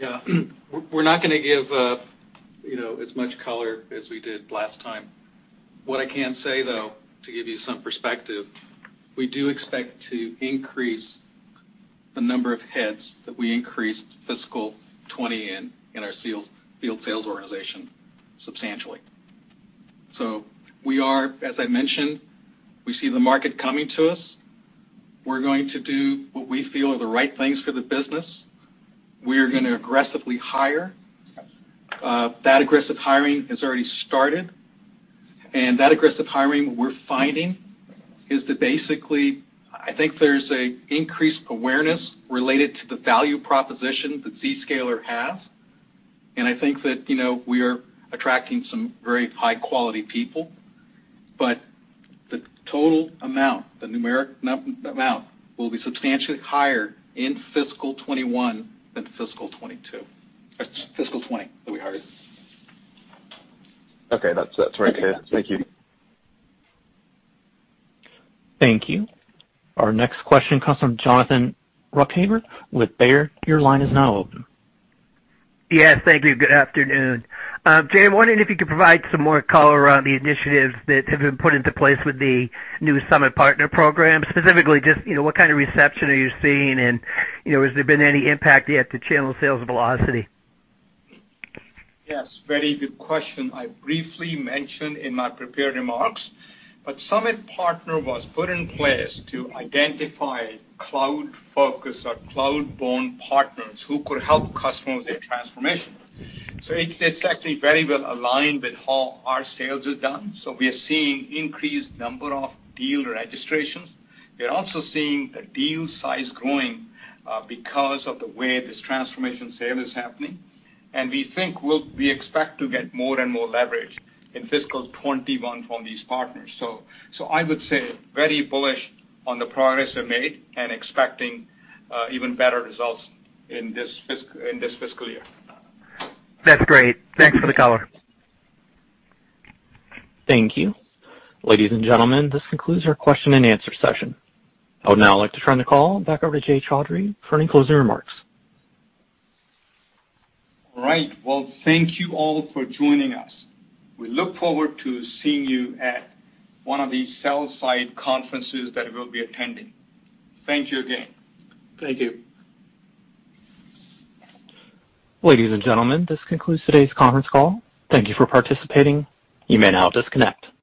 Yeah. We're not going to give as much color as we did last time. What I can say, though, to give you some perspective, we do expect to increase the number of heads that we increased fiscal 2020 in our field sales organization substantially. We are, as I mentioned, we see the market coming to us. We're going to do what we feel are the right things for the business. We are going to aggressively hire. That aggressive hiring has already started, and that aggressive hiring we're finding is that basically, I think there's an increased awareness related to the value proposition that Zscaler has, and I think that we are attracting some very high-quality people. The total amount, the numeric amount, will be substantially higher in fiscal 2021 than fiscal 2020 that we hired. Okay. That's very clear. Thank you. Thank you. Our next question comes from Jonathan Ruykhaver with Baird. Your line is now open. Yes. Thank you. Good afternoon. Jay, I'm wondering if you could provide some more color around the initiatives that have been put into place with the new Summit Partner Program. Specifically just, what kind of reception are you seeing, and has there been any impact yet to channel sales velocity? Yes, very good question. I briefly mentioned in my prepared remarks, Summit Partner was put in place to identify cloud focus or cloud-borne partners who could help customers with their transformation. It's actually very well aligned with how our sales is done. We are seeing increased number of deal registrations. We are also seeing the deal size growing because of the way this transformation sale is happening. We expect to get more and more leverage in fiscal 2021 from these partners. I would say very bullish on the progress we made and expecting even better results in this fiscal year. That's great. Thanks for the color. Thank you. Ladies and gentlemen, this concludes our question-and-answer session. I would now like to turn the call back over to Jay Chaudhry for any closing remarks. All right. Well, thank you all for joining us. We look forward to seeing you at one of the sell-side conferences that we'll be attending. Thank you again. Thank you. Ladies and gentlemen, this concludes today's conference call. Thank you for participating. You may now disconnect.